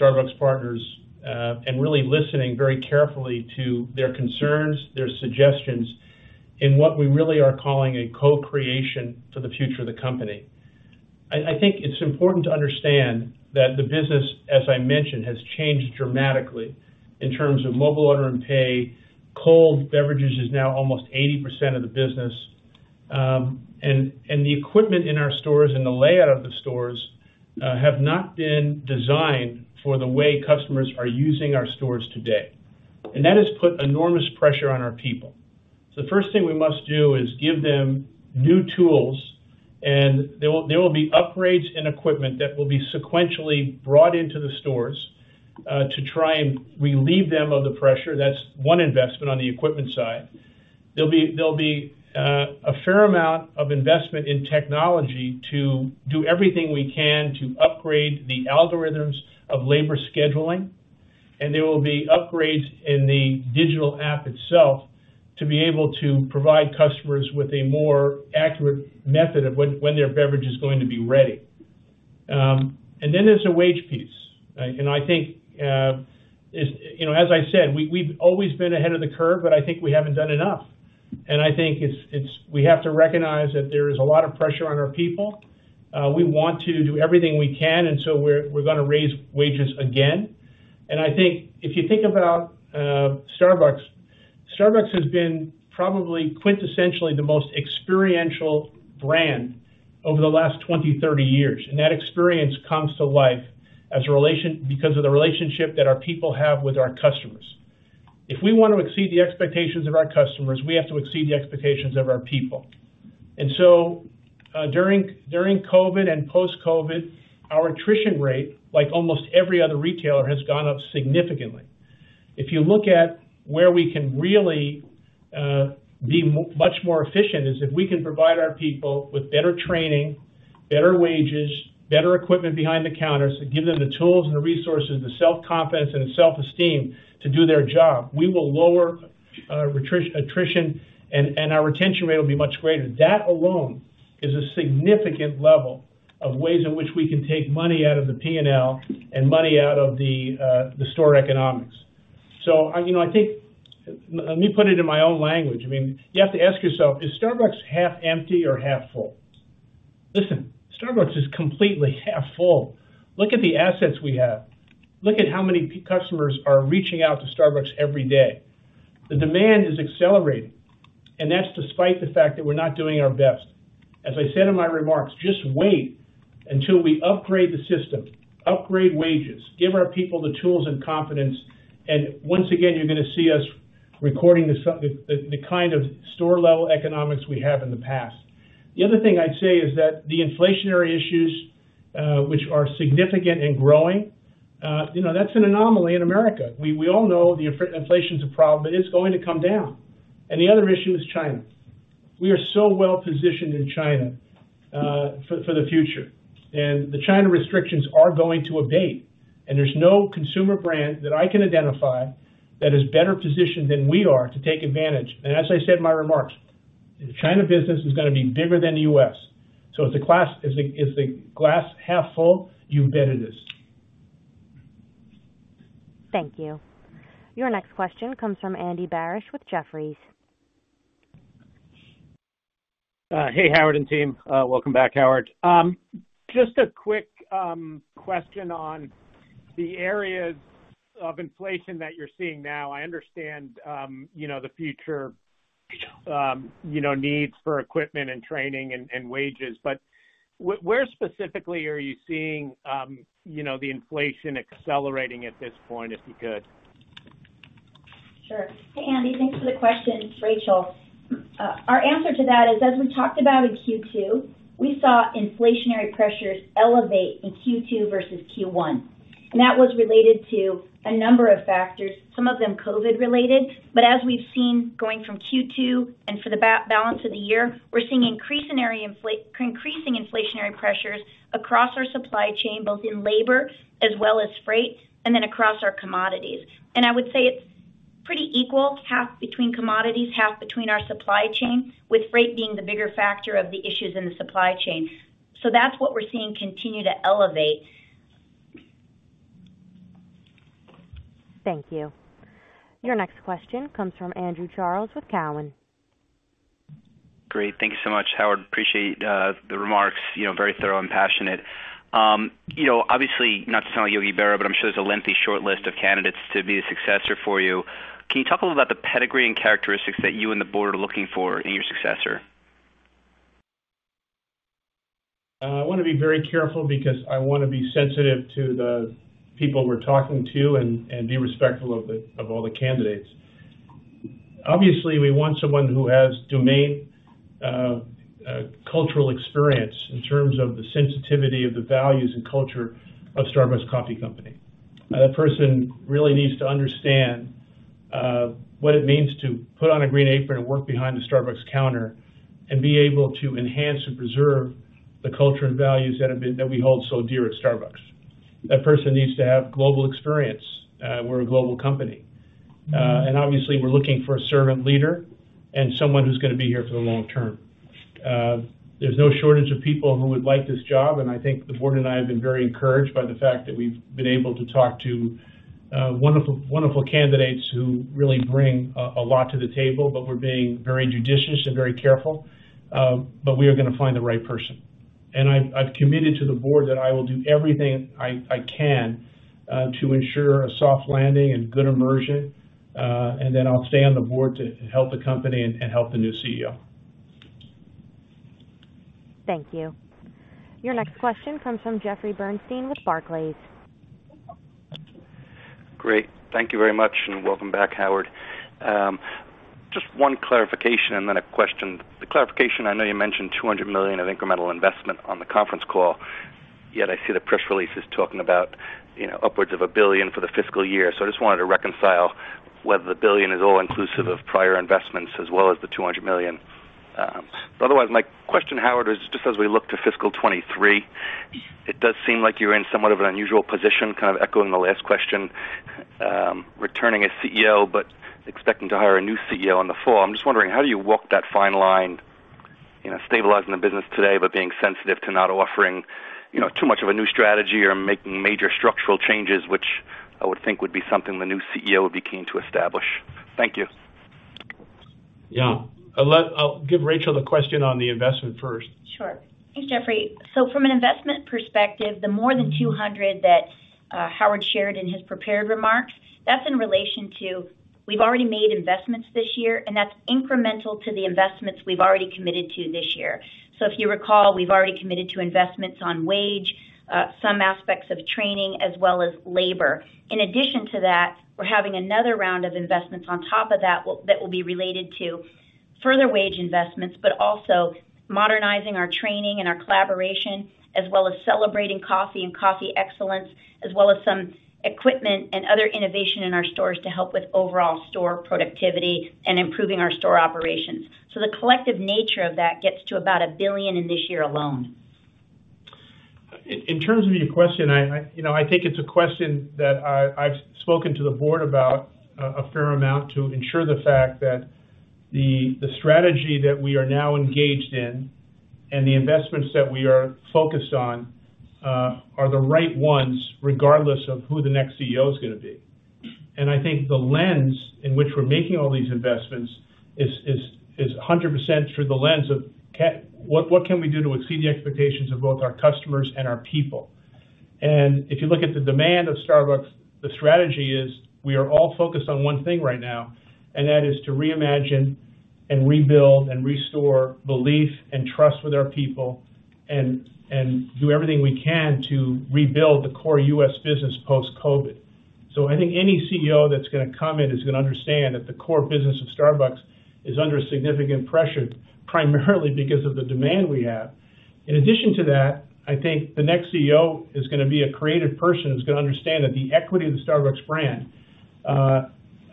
Starbucks partners, and really listening very carefully to their concerns, their suggestions in what we really are calling a co-creation for the future of the company. I think it's important to understand that the business, as I mentioned, has changed dramatically in terms of Mobile Order and Pay. Cold beverages is now almost 80% of the business. And the equipment in our stores and the layout of the stores have not been designed for the way customers are using our stores today. That has put enormous pressure on our people. The first thing we must do is give them new tools, and there will be upgrades in equipment that will be sequentially brought into the stores to try and relieve them of the pressure. That's one investment on the equipment side. There'll be a fair amount of investment in technology to do everything we can to upgrade the algorithms of labor scheduling. There will be upgrades in the digital app itself to be able to provide customers with a more accurate method of when their beverage is going to be ready. Then there's a wage piece, right? I think you know, as I said, we've always been ahead of the curve, but I think we haven't done enough. I think it we have to recognize that there is a lot of pressure on our people. We want to do everything we can, and so we're gonna raise wages again. I think if you think about Starbucks, it has been probably quintessentially the most experiential brand over the last 20 years, 30 years. That experience comes to life because of the relationship that our people have with our customers. If we want to exceed the expectations of our customers, we have to exceed the expectations of our people. During COVID and post-COVID, our attrition rate, like almost every other retailer, has gone up significantly. If you look at where we can really be much more efficient, is if we can provide our people with better training, better wages, better equipment behind the counters, and give them the tools and the resources, the self-confidence and self-esteem to do their job, we will lower attrition and our retention rate will be much greater. That alone is a significant level of ways in which we can take money out of the P&L and money out of the store economics. You know, I think. Let me put it in my own language. I mean, you have to ask yourself, is Starbucks half empty or half full? Listen, Starbucks is completely half full. Look at the assets we have. Look at how many customers are reaching out to Starbucks every day. The demand is accelerating, and that's despite the fact that we're not doing our best. As I said in my remarks, just wait until we upgrade the system, upgrade wages, give our people the tools and confidence, and once again, you're gonna see us recording the kind of store-level economics we have in the past. The other thing I'd say is that the inflationary issues, which are significant and growing, you know, that's an anomaly in America. We all know the inflation's a problem, but it's going to come down. The other issue is China. We are so well-positioned in China, for the future. The China restrictions are going to abate. There's no consumer brand that I can identify that is better positioned than we are to take advantage. As I said in my remarks, the China business is gonna be bigger than the U.S. Is the glass half full? You bet it is. Thank you. Your next question comes from Andy Barish with Jefferies. Hey, Howard and team. Welcome back, Howard. Just a quick question on the areas of inflation that you're seeing now. I understand you know the future you know needs for equipment and training and wages, but where specifically are you seeing you know the inflation accelerating at this point, if you could? Sure. Hey, Andy, thanks for the question. It's Rachel. Our answer to that is, as we talked about in Q2, we saw inflationary pressures elevate in Q2 versus Q1. That was related to a number of factors, some of them COVID related. As we've seen going from Q2 and for the balance of the year, we're seeing increasing inflationary pressures across our supply chain, both in labor as well as freight, and then across our commodities. I would say it's pretty equal, half between commodities, half between our supply chain, with freight being the bigger factor of the issues in the supply chain. That's what we're seeing continue to elevate. Thank you. Your next question comes from Andrew Charles with Cowen. Great. Thank you so much, Howard. Appreciate the remarks. You know, very thorough and passionate. You know, obviously not to sound like Yogi Berra, but I'm sure there's a lengthy shortlist of candidates to be a successor for you. Can you talk a little about the pedigree and characteristics that you and the board are looking for in your successor? I wanna be very careful because I wanna be sensitive to the people we're talking to and be respectful of all the candidates. Obviously, we want someone who has domain cultural experience in terms of the sensitivity of the values and culture of Starbucks Coffee Company. That person really needs to understand what it means to put on a Green Apron and work behind the Starbucks counter and be able to enhance and preserve the culture and values that we hold so dear at Starbucks. That person needs to have global experience. We're a global company. Obviously we're looking for a servant leader and someone who's gonna be here for the long term. There's no shortage of people who would like this job, and I think the Board and I have been very encouraged by the fact that we've been able to talk to wonderful candidates who really bring a lot to the table, but we're being very judicious and very careful. We are gonna find the right person. I've committed to the Board that I will do everything I can to ensure a soft landing and good immersion, and then I'll stay on the Board to help the company and help the new CEO. Thank you. Your next question comes from Jeffrey Bernstein with Barclays. Great. Thank you very much, and welcome back, Howard. Just one clarification and then a question. The clarification, I know you mentioned $200 million of incremental investment on the conference call, yet I see the press release is talking about, you know, upwards of $1 billion for the fiscal year. I just wanted to reconcile whether the $1 billion is all inclusive of prior investments as well as the $200 million. Otherwise, my question, Howard, is just as we look to fiscal 2023, it does seem like you're in somewhat of an unusual position, kind of echoing the last question. Returning as CEO but expecting to hire a new CEO in the fall. I'm just wondering, how do you walk that fine line, you know, stabilizing the business today, but being sensitive to not offering, you know, too much of a new strategy or making major structural changes, which I would think would be something the new CEO would be keen to establish? Thank you. Yeah. I'll give Rachel the question on the investment first. Sure. Thanks, Jeffrey. From an investment perspective, the more than $200 million that Howard shared in his prepared remarks, that's in relation to we've already made investments this year, and that's incremental to the investments we've already committed to this year. If you recall, we've already committed to investments on wage, some aspects of training as well as labor. In addition to that, we're having another round of investments on top of that that will be related to further wage investments, but also modernizing our training and our collaboration, as well as celebrating coffee and coffee excellence, as well as some equipment and other innovation in our stores to help with overall store productivity and improving our store operations. The collective nature of that gets to about $1 billion in this year alone. In terms of your question, you know, I think it's a question that I've spoken to the Board about a fair amount to ensure the fact that the strategy that we are now engaged in and the investments that we are focused on are the right ones regardless of who the next CEO is gonna be. I think the lens in which we're making all these investments is 100% through the lens of what can we do to exceed the expectations of both our customers and our people? If you look at the demand of Starbucks, the strategy is we are all focused on one thing right now, and that is to reimagine and rebuild and restore belief and trust with our people and do everything we can to rebuild the core U.S. business post-COVID. I think any CEO that's gonna come in is gonna understand that the core business of Starbucks is under significant pressure, primarily because of the demand we have. In addition to that, I think the next CEO is gonna be a creative person, is gonna understand that the equity of the Starbucks brand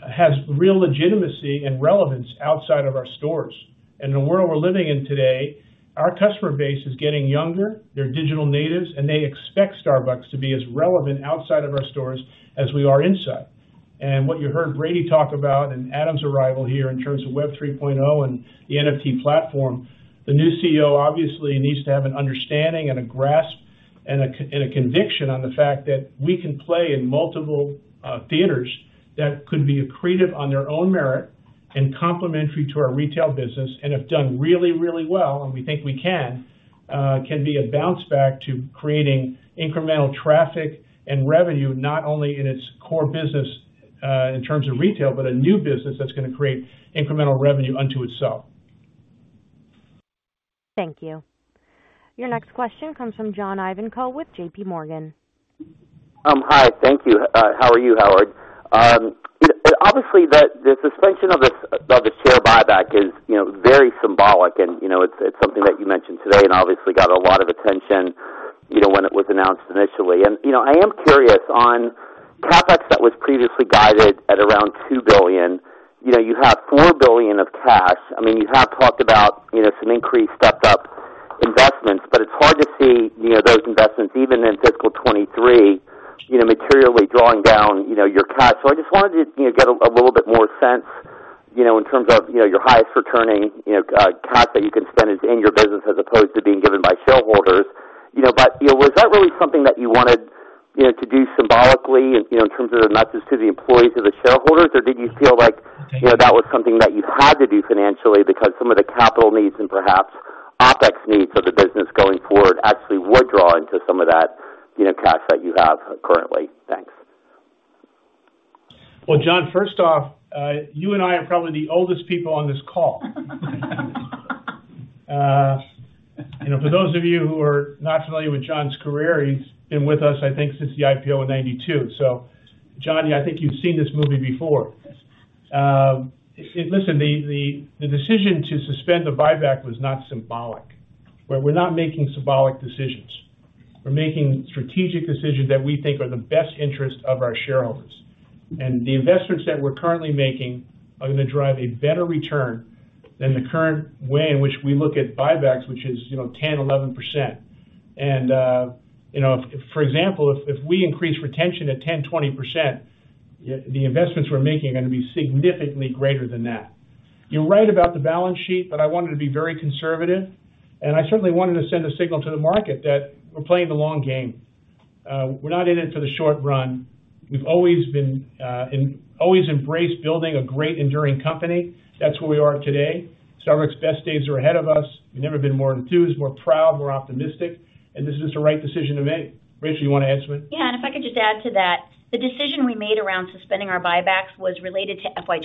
has real legitimacy and relevance outside of our stores. In the world we're living in today, our customer base is getting younger, they're digital natives, and they expect Starbucks to be as relevant outside of our stores as we are inside. What you heard Brady talk about and Adam's arrival here in terms of Web 3.0 and the NFT platform, the new CEO obviously needs to have an understanding and a grasp and a conviction on the fact that we can play in multiple theaters that could be accretive on their own merit and complementary to our retail business and have done really, really well, and we think we can be a bounce back to creating incremental traffic and revenue, not only in its core business in terms of retail, but a new business that's gonna create incremental revenue unto itself. Thank you. Your next question comes from John Ivankoe with JPMorgan. Hi. Thank you. How are you, Howard? Obviously the suspension of the share buyback is, you know, very symbolic and, you know, it's something that you mentioned today and obviously got a lot of attention, you know, when it was announced initially. You know, I am curious on CapEx that was previously guided at around $2 billion. You know, you have $4 billion of cash. I mean, you have talked about, you know, some increased stepped-up investments, but it's hard to see, you know, those investments even in fiscal 2023, you know, materially drawing down, you know, your cash. I just wanted to, you know, get a little bit more sense, you know, in terms of, you know, your highest returning, you know, cash that you can spend in your business as opposed to being given by shareholders. You know, was that really something that you wanted, you know, to do symbolically in, you know, in terms of the message to the employees, to the shareholders? Or did you feel like, you know, that was something that you had to do financially because some of the capital needs and perhaps OpEx needs of the business going forward actually would draw into some of that, you know, cash that you have currently? Thanks. Well, John, first off, you and I are probably the oldest people on this call. You know, for those of you who are not familiar with John's career, he's been with us, I think, since the IPO in 1992. Johnny, I think you've seen this movie before. Listen, the decision to suspend the buyback was not symbolic. We're not making symbolic decisions. We're making strategic decisions that we think are in the best interest of our shareholders. The investments that we're currently making are gonna drive a better return than the current way in which we look at buybacks, which is, you know, 10%-11%. You know, if, for example, if we increase retention at 10%-20%, the investments we're making are gonna be significantly greater than that. You're right about the balance sheet, but I wanted to be very conservative, and I certainly wanted to send a signal to the market that we're playing the long game. We're not in it for the short run. We've always been and always embraced building a great enduring company. That's where we are today. Starbucks best days are ahead of us. We've never been more enthused, more proud, more optimistic, and this is just the right decision to make. Rachel, you want to add to it? Yeah. If I could just add to that. The decision we made around suspending our buybacks was related to FY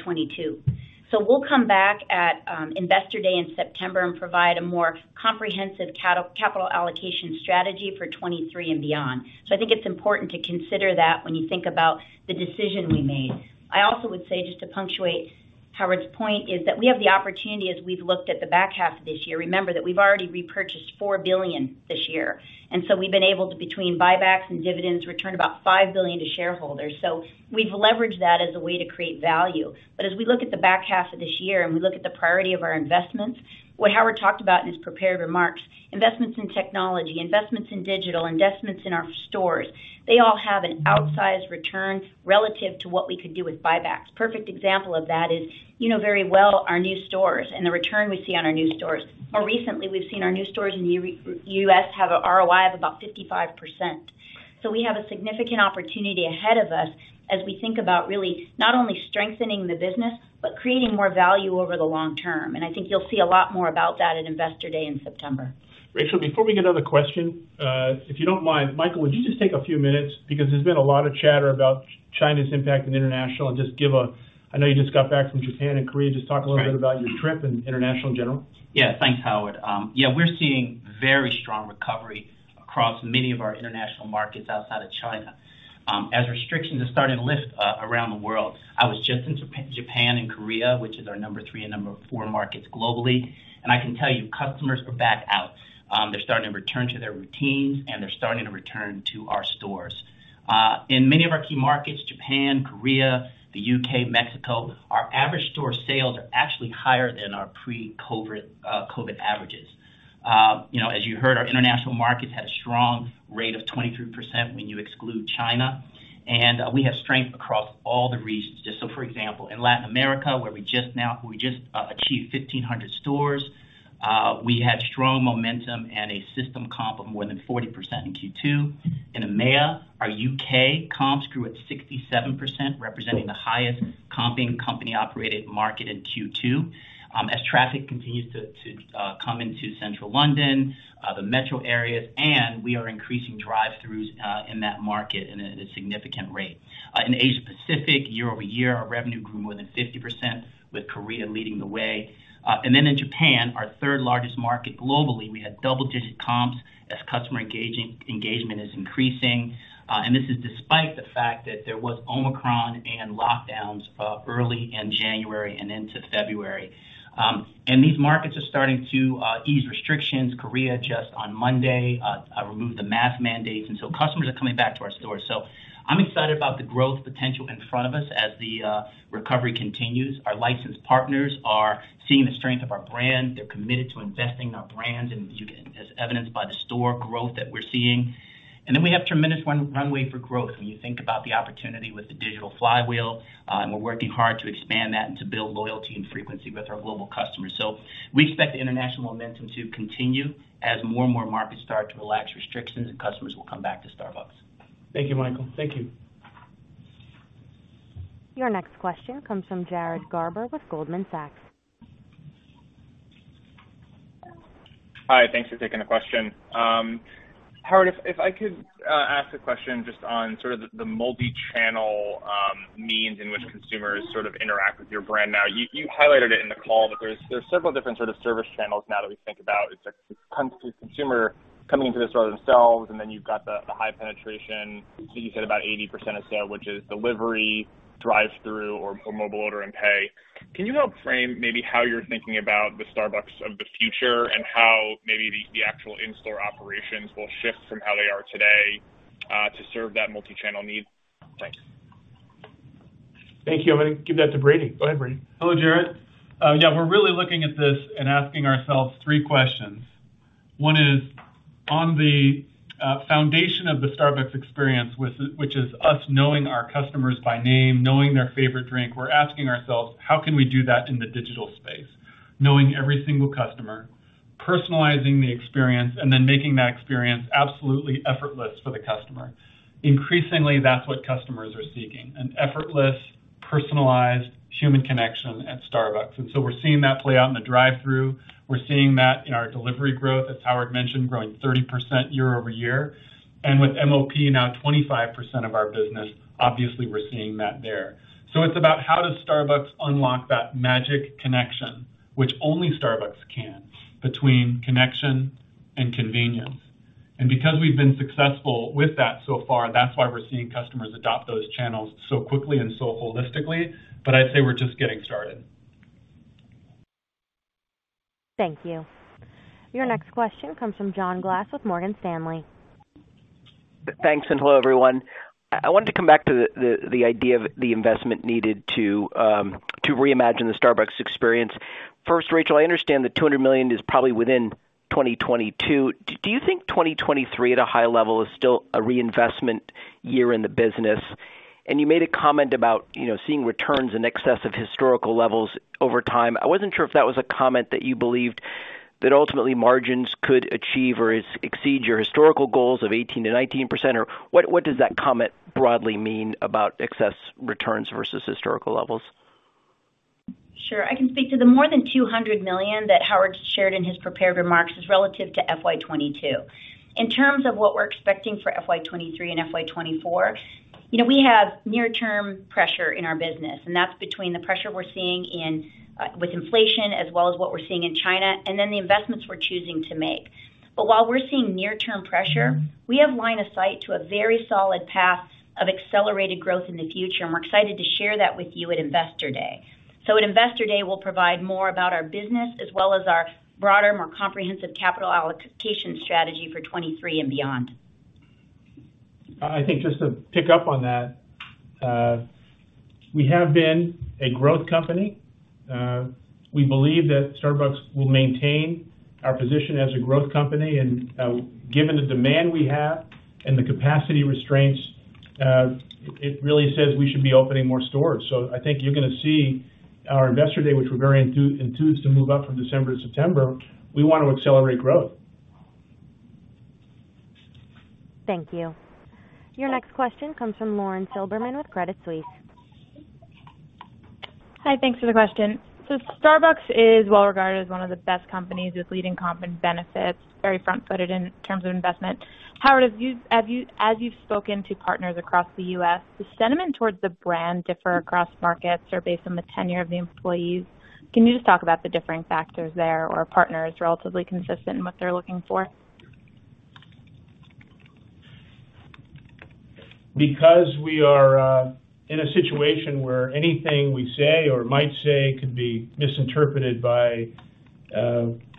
2022. We'll come back at Investor Day in September and provide a more comprehensive capital allocation strategy for 2023 and beyond. I think it's important to consider that when you think about the decision we made. I also would say, just to punctuate Howard's point, is that we have the opportunity as we've looked at the back half of this year. Remember that we've already repurchased $4 billion this year, and we've been able to, between buybacks and dividends, return about $5 billion to shareholders. We've leveraged that as a way to create value. As we look at the back half of this year and we look at the priority of our investments, what Howard talked about in his prepared remarks, investments in technology, investments in digital, investments in our stores, they all have an outsized return relative to what we could do with buybacks. Perfect example of that is, you know very well our new stores and the return we see on our new stores. More recently, we've seen our new stores in U.S. have a ROI of about 55%. We have a significant opportunity ahead of us as we think about really not only strengthening the business but creating more value over the long term. I think you'll see a lot more about that at Investor Day in September. Rachel, before we get another question, if you don't mind, Michael, would you just take a few minutes because there's been a lot of chatter about China's impact in international? I know you just got back from Japan and Korea. Just talk a little bit about your trip and international in general. Yeah. Thanks, Howard. We're seeing very strong recovery across many of our international markets outside of China, as restrictions are starting to lift around the world. I was just in Japan and Korea, which is our number three and number four markets globally, and I can tell you, customers are back out. They're starting to return to their routines, and they're starting to return to our stores. In many of our key markets, Japan, Korea, the U.K., Mexico, our average store sales are actually higher than our pre-COVID averages. You know, as you heard, our international markets had a strong rate of 23% when you exclude China, and we have strength across all the regions. For example, in Latin America, where we just achieved 1,500 stores, we had strong momentum and a system comp of more than 40% in Q2. In EMEA, our U.K. comps grew at 67%, representing the highest comping company-operated market in Q2, as traffic continues to come into Central London, the metro areas, and we are increasing drive-throughs in that market in a significant rate. In Asia Pacific, year-over-year, our revenue grew more than 50% with Korea leading the way. In Japan, our third largest market globally, we had double-digit comps as customer engagement is increasing. This is despite the fact that there was Omicron and lockdowns early in January and into February. These markets are starting to ease restrictions. Korea just on Monday removed the mask mandates, and so customers are coming back to our stores. I'm excited about the growth potential in front of us as the recovery continues. Our licensed partners are seeing the strength of our brand. They're committed to investing in our brand, and you can, as evidenced by the store growth that we're seeing. We have tremendous runway for growth when you think about the opportunity with the digital flywheel, and we're working hard to expand that and to build loyalty and frequency with our global customers. We expect the international momentum to continue as more and more markets start to relax restrictions and customers will come back to Starbucks. Thank you, Michael. Thank you. Your next question comes from Jared Garber with Goldman Sachs. Hi, thanks for taking the question. Howard, if I could ask a question just on sort of the multichannel means in which consumers sort of interact with your brand now. You highlighted it in the call, but there's several different sort of service channels now that we think about. It's a consumer coming into the store themselves, and then you've got the high penetration. So you said about 80% of sales, which is delivery, drive-through or mobile order and pay. Can you help frame maybe how you're thinking about the Starbucks of the future and how maybe the actual in-store operations will shift from how they are today to serve that multichannel need? Thanks. Thank you. I'm gonna give that to Brady. Go ahead, Brady. Hello, Jared. We're really looking at this and asking ourselves three questions. One is on the foundation of the Starbucks experience, which is us knowing our customers by name, knowing their favorite drink. We're asking ourselves, how can we do that in the digital space? Knowing every single customer, personalizing the experience, and then making that experience absolutely effortless for the customer. Increasingly, that's what customers are seeking, an effortless, personalized human connection at Starbucks. We're seeing that play out in the drive-through. We're seeing that in our delivery growth, as Howard mentioned, growing 30% year-over-year. With MOP now 25% of our business, obviously we're seeing that there. It's about how does Starbucks unlock that magic connection, which only Starbucks can, between connection and convenience. Because we've been successful with that so far, that's why we're seeing customers adopt those channels so quickly and so holistically. I'd say we're just getting started. Thank you. Your next question comes from John Glass with Morgan Stanley. Thanks, hello, everyone. I want to come back to the idea of the investment needed to reimagine the Starbucks experience. First, Rachel, I understand that $200 million is probably within 2022. Do you think 2023 at a high level is still a reinvestment year in the business? You made a comment about, you know, seeing returns in excess of historical levels over time. I wasn't sure if that was a comment that you believed that ultimately margins could achieve or exceed your historical goals of 18%-19%, or what does that comment broadly mean about excess returns versus historical levels? Sure. I can speak to the more than $200 million that Howard shared in his prepared remarks is relative to FY 2022. In terms of what we're expecting for FY 2023 and FY 2024, you know, we have near-term pressure in our business, and that's between the pressure we're seeing in with inflation as well as what we're seeing in China, and then the investments we're choosing to make. While we're seeing near-term pressure, we have line of sight to a very solid path of accelerated growth in the future, and we're excited to share that with you at Investor Day. At Investor Day, we'll provide more about our business as well as our broader, more comprehensive capital allocation strategy for 2023 and beyond. I think just to pick up on that, we have been a growth company. We believe that Starbucks will maintain our position as a growth company. Given the demand we have and the capacity restraints It really says we should be opening more stores. I think you're gonna see our Investor Day, which we're very enthused to move up from December to September. We want to accelerate growth. Thank you. Your next question comes from Lauren Silberman with Credit Suisse. Hi, thanks for the question. Starbucks is well regarded as one of the best companies with leading comp and benefits, very front-footed in terms of investment. Howard, as you've spoken to partners across the U.S., does sentiment towards the brand differ across markets or based on the tenure of the employees? Can you just talk about the differing factors there or are partners relatively consistent in what they're looking for? Because we are in a situation where anything we say or might say could be misinterpreted by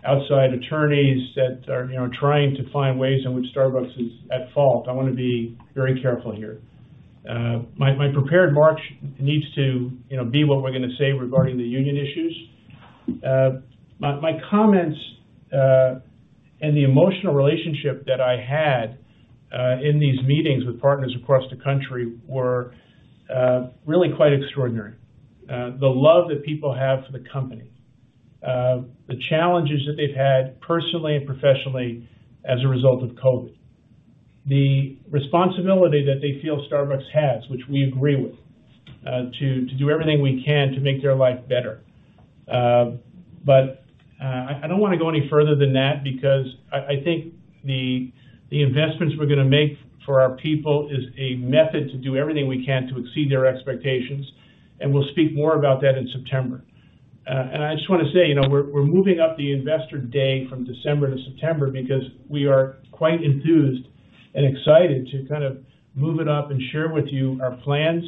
outside attorneys that are, you know, trying to find ways in which Starbucks is at fault, I wanna be very careful here. My prepared remarks needs to, you know, be what we're gonna say regarding the union issues. My comments and the emotional relationship that I had in these meetings with partners across the country were really quite extraordinary. The love that people have for the company, the challenges that they've had personally and professionally as a result of COVID, the responsibility that they feel Starbucks has, which we agree with, to do everything we can to make their life better. I don't wanna go any further than that because I think the investments we're gonna make for our people is a method to do everything we can to exceed their expectations, and we'll speak more about that in September. I just wanna say, you know, we're moving up the Investor Day from December to September because we are quite enthused and excited to kind of move it up and share with you our plans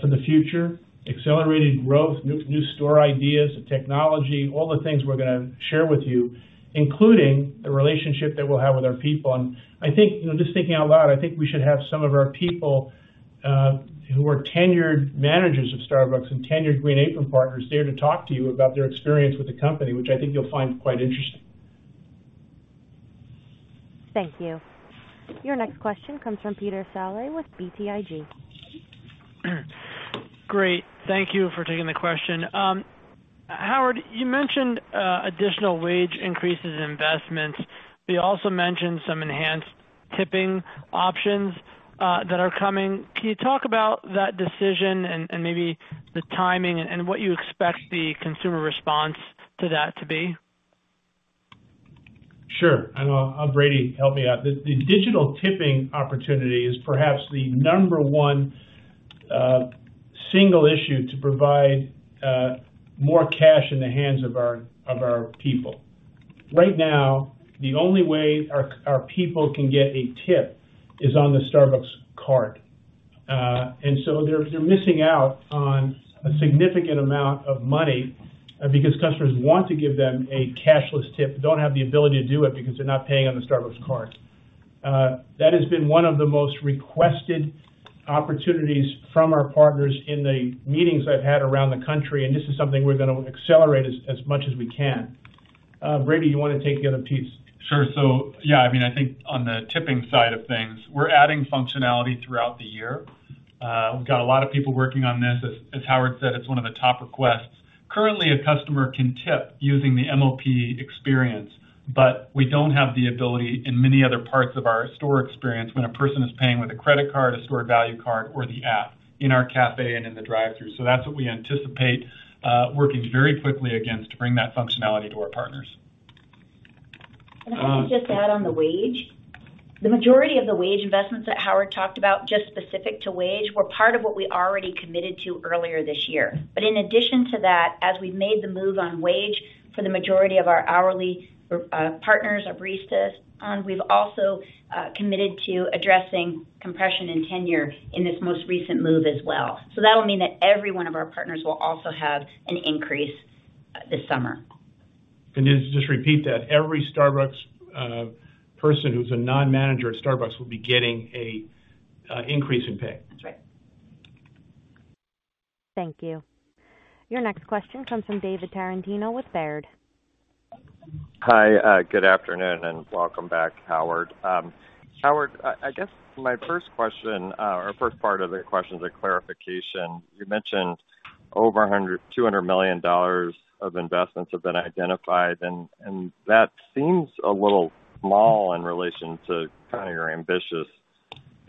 for the future, accelerated growth, new store ideas and technology, all the things we're gonna share with you, including the relationship that we'll have with our people. I think, you know, just thinking out loud, I think we should have some of our people who are tenured managers of Starbucks and tenured Green Apron partners there to talk to you about their experience with the company, which I think you'll find quite interesting. Thank you. Your next question comes from Peter Saleh with BTIG. Great. Thank you for taking the question. Howard, you mentioned additional wage increases and investments, but you also mentioned some enhanced tipping options that are coming. Can you talk about that decision and maybe the timing and what you expect the consumer response to that to be? Sure. I'll have Brady help me out. The digital tipping opportunity is perhaps the number one single issue to provide more cash in the hands of our people. Right now, the only way our people can get a tip is on the Starbucks Card. They're missing out on a significant amount of money because customers want to give them a cashless tip, don't have the ability to do it because they're not paying on the Starbucks Card. That has been one of the most requested opportunities from our partners in the meetings I've had around the country, and this is something we're gonna accelerate as much as we can. Brady, you wanna take the other piece? Sure. Yeah, I mean, I think on the tipping side of things, we're adding functionality throughout the year. We've got a lot of people working on this. As Howard said, it's one of the top requests. Currently, a customer can tip using the MOP experience, but we don't have the ability in many other parts of our store experience when a person is paying with a credit card, a stored value card or the app in our cafe and in the drive-through. That's what we anticipate working very quickly against to bring that functionality to our partners. If I could just add on the wage. The majority of the wage investments that Howard talked about, just specific to wage, were part of what we already committed to earlier this year. In addition to that, as we've made the move on wage for the majority of our hourly, partners or baristas on, we've also, committed to addressing compression and tenure in this most recent move as well. That'll mean that every one of our partners will also have an increase this summer. Just repeat that every Starbucks person who's a non-manager at Starbucks will be getting a increase in pay. That's right. Thank you. Your next question comes from David Tarantino with Baird. Hi. Good afternoon and welcome back, Howard. Howard, I guess my first question or first part of the question is a clarification. You mentioned over $100 million-$200 million of investments have been identified, and that seems a little small in relation to kind of your ambitious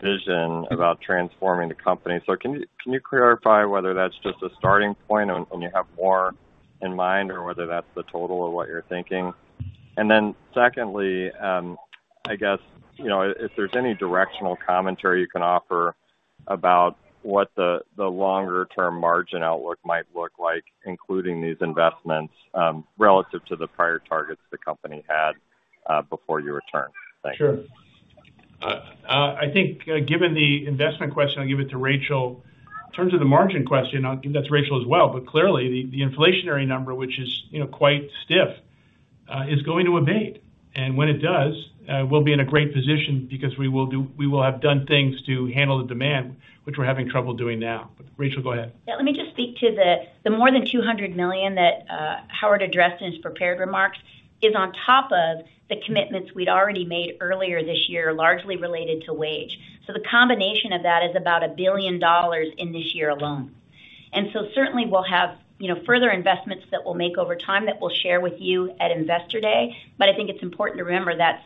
vision about transforming the company. Can you clarify whether that's just a starting point and you have more in mind or whether that's the total of what you're thinking? Then secondly, I guess, you know, if there's any directional commentary you can offer about what the longer term margin outlook might look like, including these investments, relative to the prior targets the company had before you returned. Thank you. Sure. I think given the investment question, I'll give it to Rachel. In terms of the margin question, I'll give that to Rachel as well, but clearly the inflationary number, which is, you know, quite stiff, is going to abate. When it does, we'll be in a great position because we will have done things to handle the demand. Which we're having trouble doing now. Rachel, go ahead. Let me just speak to the more than $200 million that Howard addressed in his prepared remarks is on top of the commitments we'd already made earlier this year, largely related to wage. The combination of that is about $1 billion in this year alone. Certainly we'll have, you know, further investments that we'll make over time that we'll share with you at Investor Day. I think it's important to remember that's,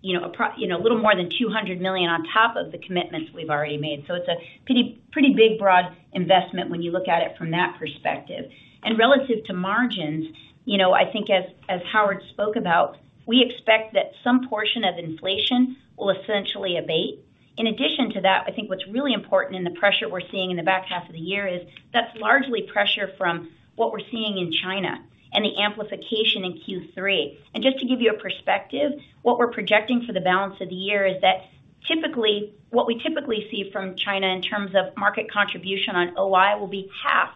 you know, a little more than $200 million on top of the commitments we've already made. It's a pretty big, broad investment when you look at it from that perspective. Relative to margins, you know, I think as Howard spoke about, we expect that some portion of inflation will essentially abate. In addition to that, I think what's really important in the pressure we're seeing in the back half of the year is that's largely pressure from what we're seeing in China and the amplification in Q3. Just to give you a perspective, what we're projecting for the balance of the year is that what we typically see from China in terms of market contribution on OI will be half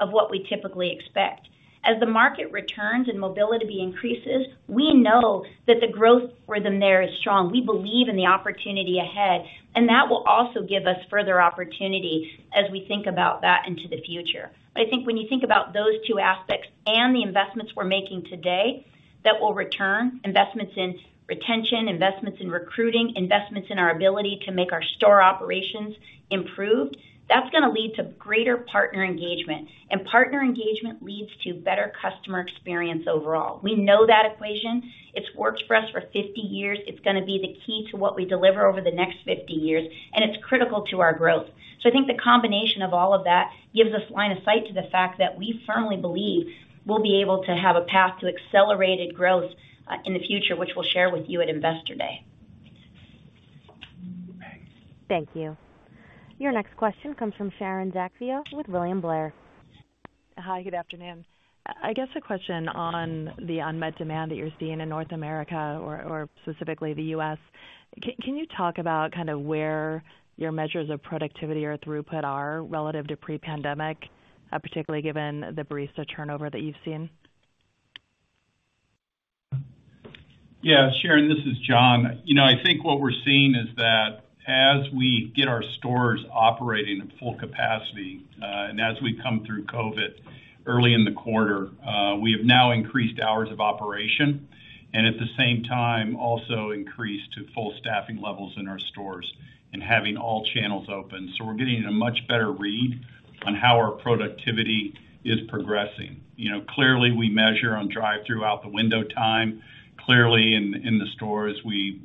of what we typically expect. As the market returns and mobility increases, we know that the growth rhythm there is strong. We believe in the opportunity ahead, and that will also give us further opportunity as we think about that into the future. I think when you think about those two aspects and the investments we're making today, that will return investments in retention, investments in recruiting, investments in our ability to make our store operations improved. That's gonna lead to greater partner engagement. Partner engagement leads to better customer experience overall. We know that equation. It's worked for us for 50 years. It's gonna be the key to what we deliver over the next 50 years, and it's critical to our growth. I think the combination of all of that gives us line of sight to the fact that we firmly believe we'll be able to have a path to accelerated growth in the future, which we'll share with you at Investor Day. Thanks. Thank you. Your next question comes from Sharon Zackfia with William Blair. Hi, good afternoon. I guess a question on the unmet demand that you're seeing in North America or specifically the U.S. Can you talk about kinda where your measures of productivity or throughput are relative to pre-pandemic, particularly given the barista turnover that you've seen? Yeah. Sharon, this is John. You know, I think what we're seeing is that as we get our stores operating at full capacity, and as we come through COVID early in the quarter, we have now increased hours of operation, and at the same time, also increased to full staffing levels in our stores and having all channels open. We're getting a much better read on how our productivity is progressing. You know, clearly, we measure on drive-through out the window time. Clearly in the stores, we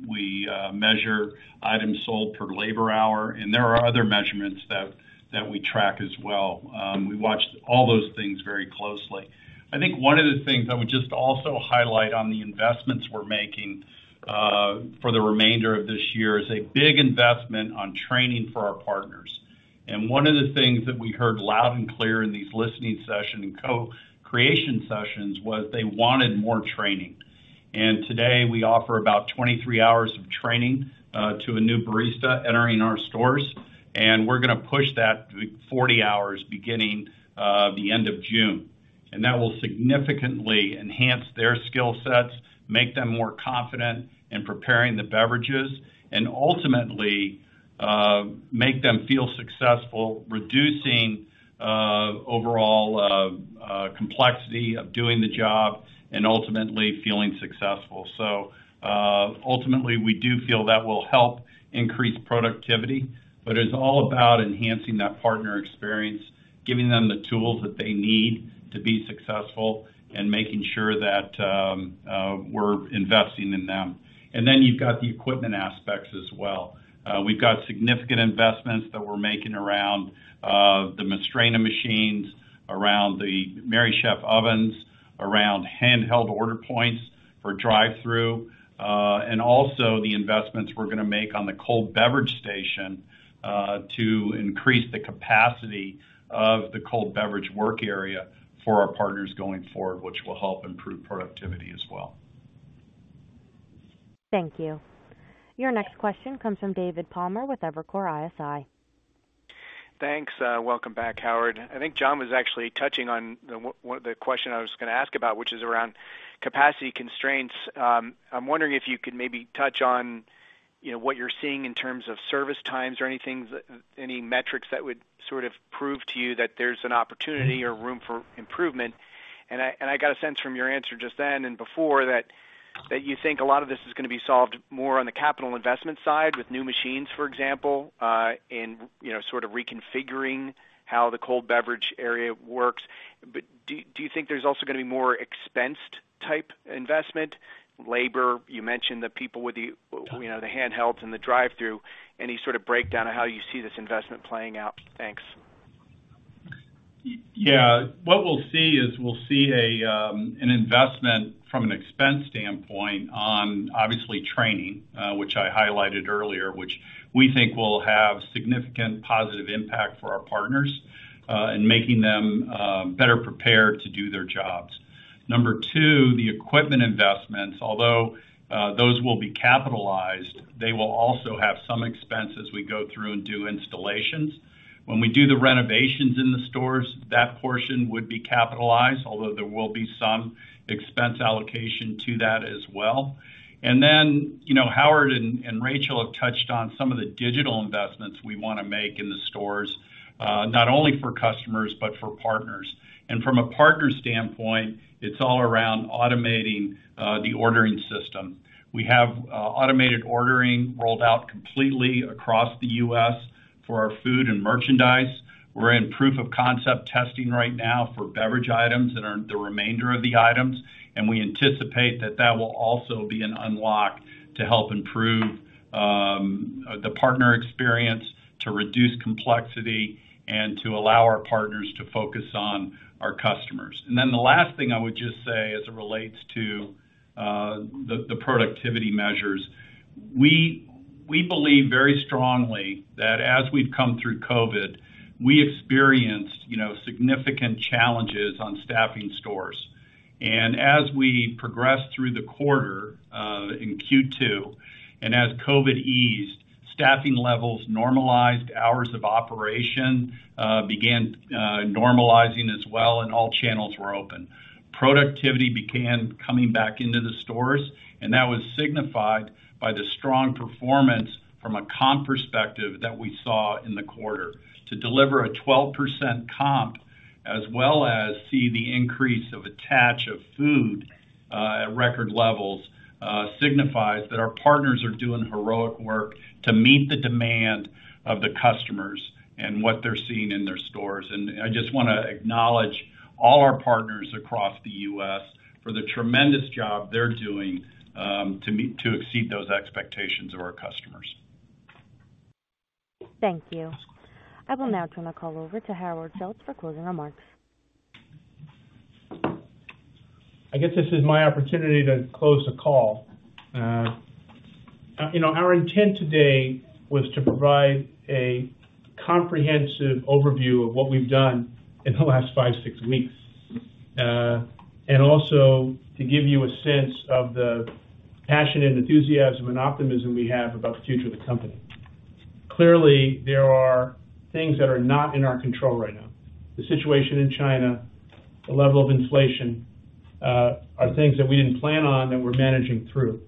measure items sold per labor hour, and there are other measurements that we track as well. We watch all those things very closely. I think one of the things I would just also highlight on the investments we're making, for the remainder of this year is a big investment on training for our partners. One of the things that we heard loud and clear in these listening session and co-creation sessions was they wanted more training. Today, we offer about 23 hours of training to a new barista entering our stores, and we're gonna push that to be 40 hours beginning the end of June. That will significantly enhance their skill sets, make them more confident in preparing the beverages, and ultimately make them feel successful, reducing overall complexity of doing the job and ultimately feeling successful. Ultimately, we do feel that will help increase productivity, but it's all about enhancing that partner experience, giving them the tools that they need to be successful, and making sure that we're investing in them. Then you've got the equipment aspects as well. We've got significant investments that we're making around the Mastrena machines, around the Merrychef ovens, around handheld order points for drive-thru, and also the investments we're gonna make on the cold beverage station to increase the capacity of the cold beverage work area for our partners going forward, which will help improve productivity as well. Thank you. Your next question comes from David Palmer with Evercore ISI. Thanks. Welcome back, Howard. I think John was actually touching on one of the question I was gonna ask about, which is around capacity constraints. I'm wondering if you could maybe touch on, you know, what you're seeing in terms of service times or anything, any metrics that would sort of prove to you that there's an opportunity or room for improvement. I got a sense from your answer just then and before that you think a lot of this is gonna be solved more on the capital investment side with new machines, for example, in, you know, sort of reconfiguring how the cold beverage area works. Do you think there's also gonna be more expensed type investment, labor? You mentioned the people with the, you know, the handhelds and the drive-through. Any sort of breakdown of how you see this investment playing out? Thanks. Yeah. What we'll see is an investment from an expense standpoint on obviously training, which I highlighted earlier, which we think will have significant positive impact for our partners, in making them better prepared to do their jobs. Number two, the equipment investments, although those will be capitalized, they will also have some expense as we go through and do installations. When we do the renovations in the stores, that portion would be capitalized, although there will be some expense allocation to that as well. Then, Howard and Rachel have touched on some of the digital investments we want to make in the stores, not only for customers but for partners. From a partner standpoint, it's all around automating the ordering system. We have automated ordering rolled out completely across the U.S. for our food and merchandise. We're in proof of concept testing right now for beverage items and for the remainder of the items. We anticipate that that will also be an unlock to help improve the partner experience, to reduce complexity, and to allow our partners to focus on our customers. Then the last thing I would just say as it relates to the productivity measures. We believe very strongly that as we've come through COVID, we experienced, you know, significant challenges on staffing stores. As we progressed through the quarter in Q2, and as COVID eased, staffing levels normalized, hours of operation began normalizing as well, and all channels were open. Productivity began coming back into the stores, and that was signified by the strong performance from a comp perspective that we saw in the quarter. To deliver a 12% comp, as well as see the increase of attach of food at record levels, signifies that our partners are doing heroic work to meet the demand of the customers and what they're seeing in their stores. I just wanna acknowledge all our partners across the U.S. for the tremendous job they're doing to exceed those expectations of our customers. Thank you. I will now turn the call over to Howard Schultz for closing remarks. I guess this is my opportunity to close the call. You know, our intent today was to provide a comprehensive overview of what we've done in the last five, six weeks. Also to give you a sense of the passion and enthusiasm and optimism we have about the future of the company. Clearly, there are things that are not in our control right now. The situation in China, the level of inflation, are things that we didn't plan on that we're managing through.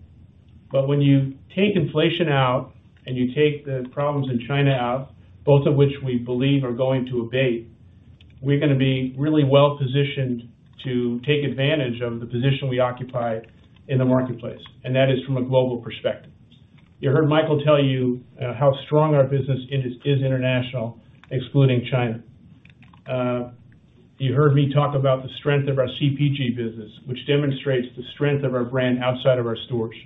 When you take inflation out and you take the problems in China out, both of which we believe are going to abate, we're gonna be really well-positioned to take advantage of the position we occupy in the marketplace, and that is from a global perspective. You heard Michael tell you how strong our business is international, excluding China. You heard me talk about the strength of our CPG business, which demonstrates the strength of our brand outside of our stores.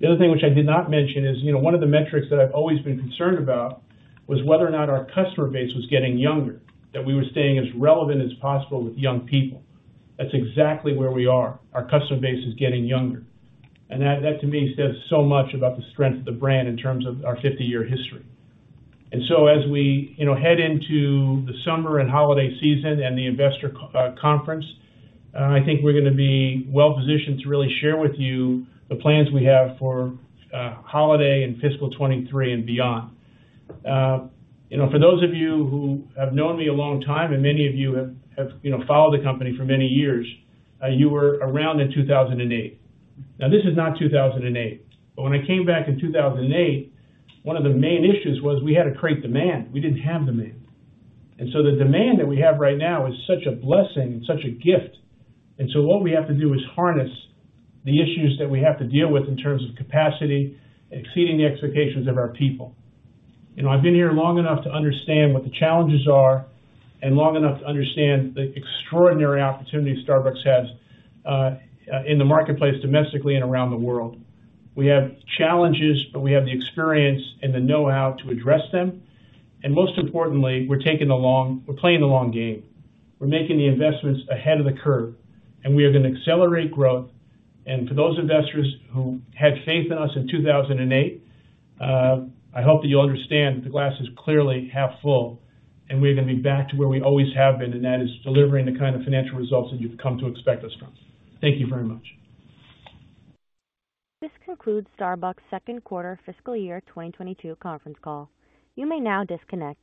The other thing which I did not mention is, you know, one of the metrics that I've always been concerned about was whether or not our customer base was getting younger, that we were staying as relevant as possible with young people. That's exactly where we are. Our customer base is getting younger. That to me says so much about the strength of the brand in terms of our 50-year history. As we, you know, head into the summer and holiday season and the investor conference, I think we're gonna be well-positioned to really share with you the plans we have for holiday and fiscal 2023 and beyond. You know, for those of you who have known me a long time, and many of you have, you know, followed the company for many years, you were around in 2008. Now, this is not 2008. When I came back in 2008, one of the main issues was we had to create demand. We didn't have demand. The demand that we have right now is such a blessing and such a gift. What we have to do is harness the issues that we have to deal with in terms of capacity, exceeding the expectations of our people. You know, I've been here long enough to understand what the challenges are and long enough to understand the extraordinary opportunity Starbucks has in the marketplace domestically and around the world. We have challenges, but we have the experience and the know-how to address them. Most importantly, we're playing the long game. We're making the investments ahead of the curve, and we are going to accelerate growth. To those investors who had faith in us in 2008, I hope that you'll understand that the glass is clearly half full, and we're gonna be back to where we always have been, and that is delivering the kind of financial results that you've come to expect us from. Thank you very much. This concludes Starbucks' second quarter fiscal year 2022 conference call. You may now disconnect.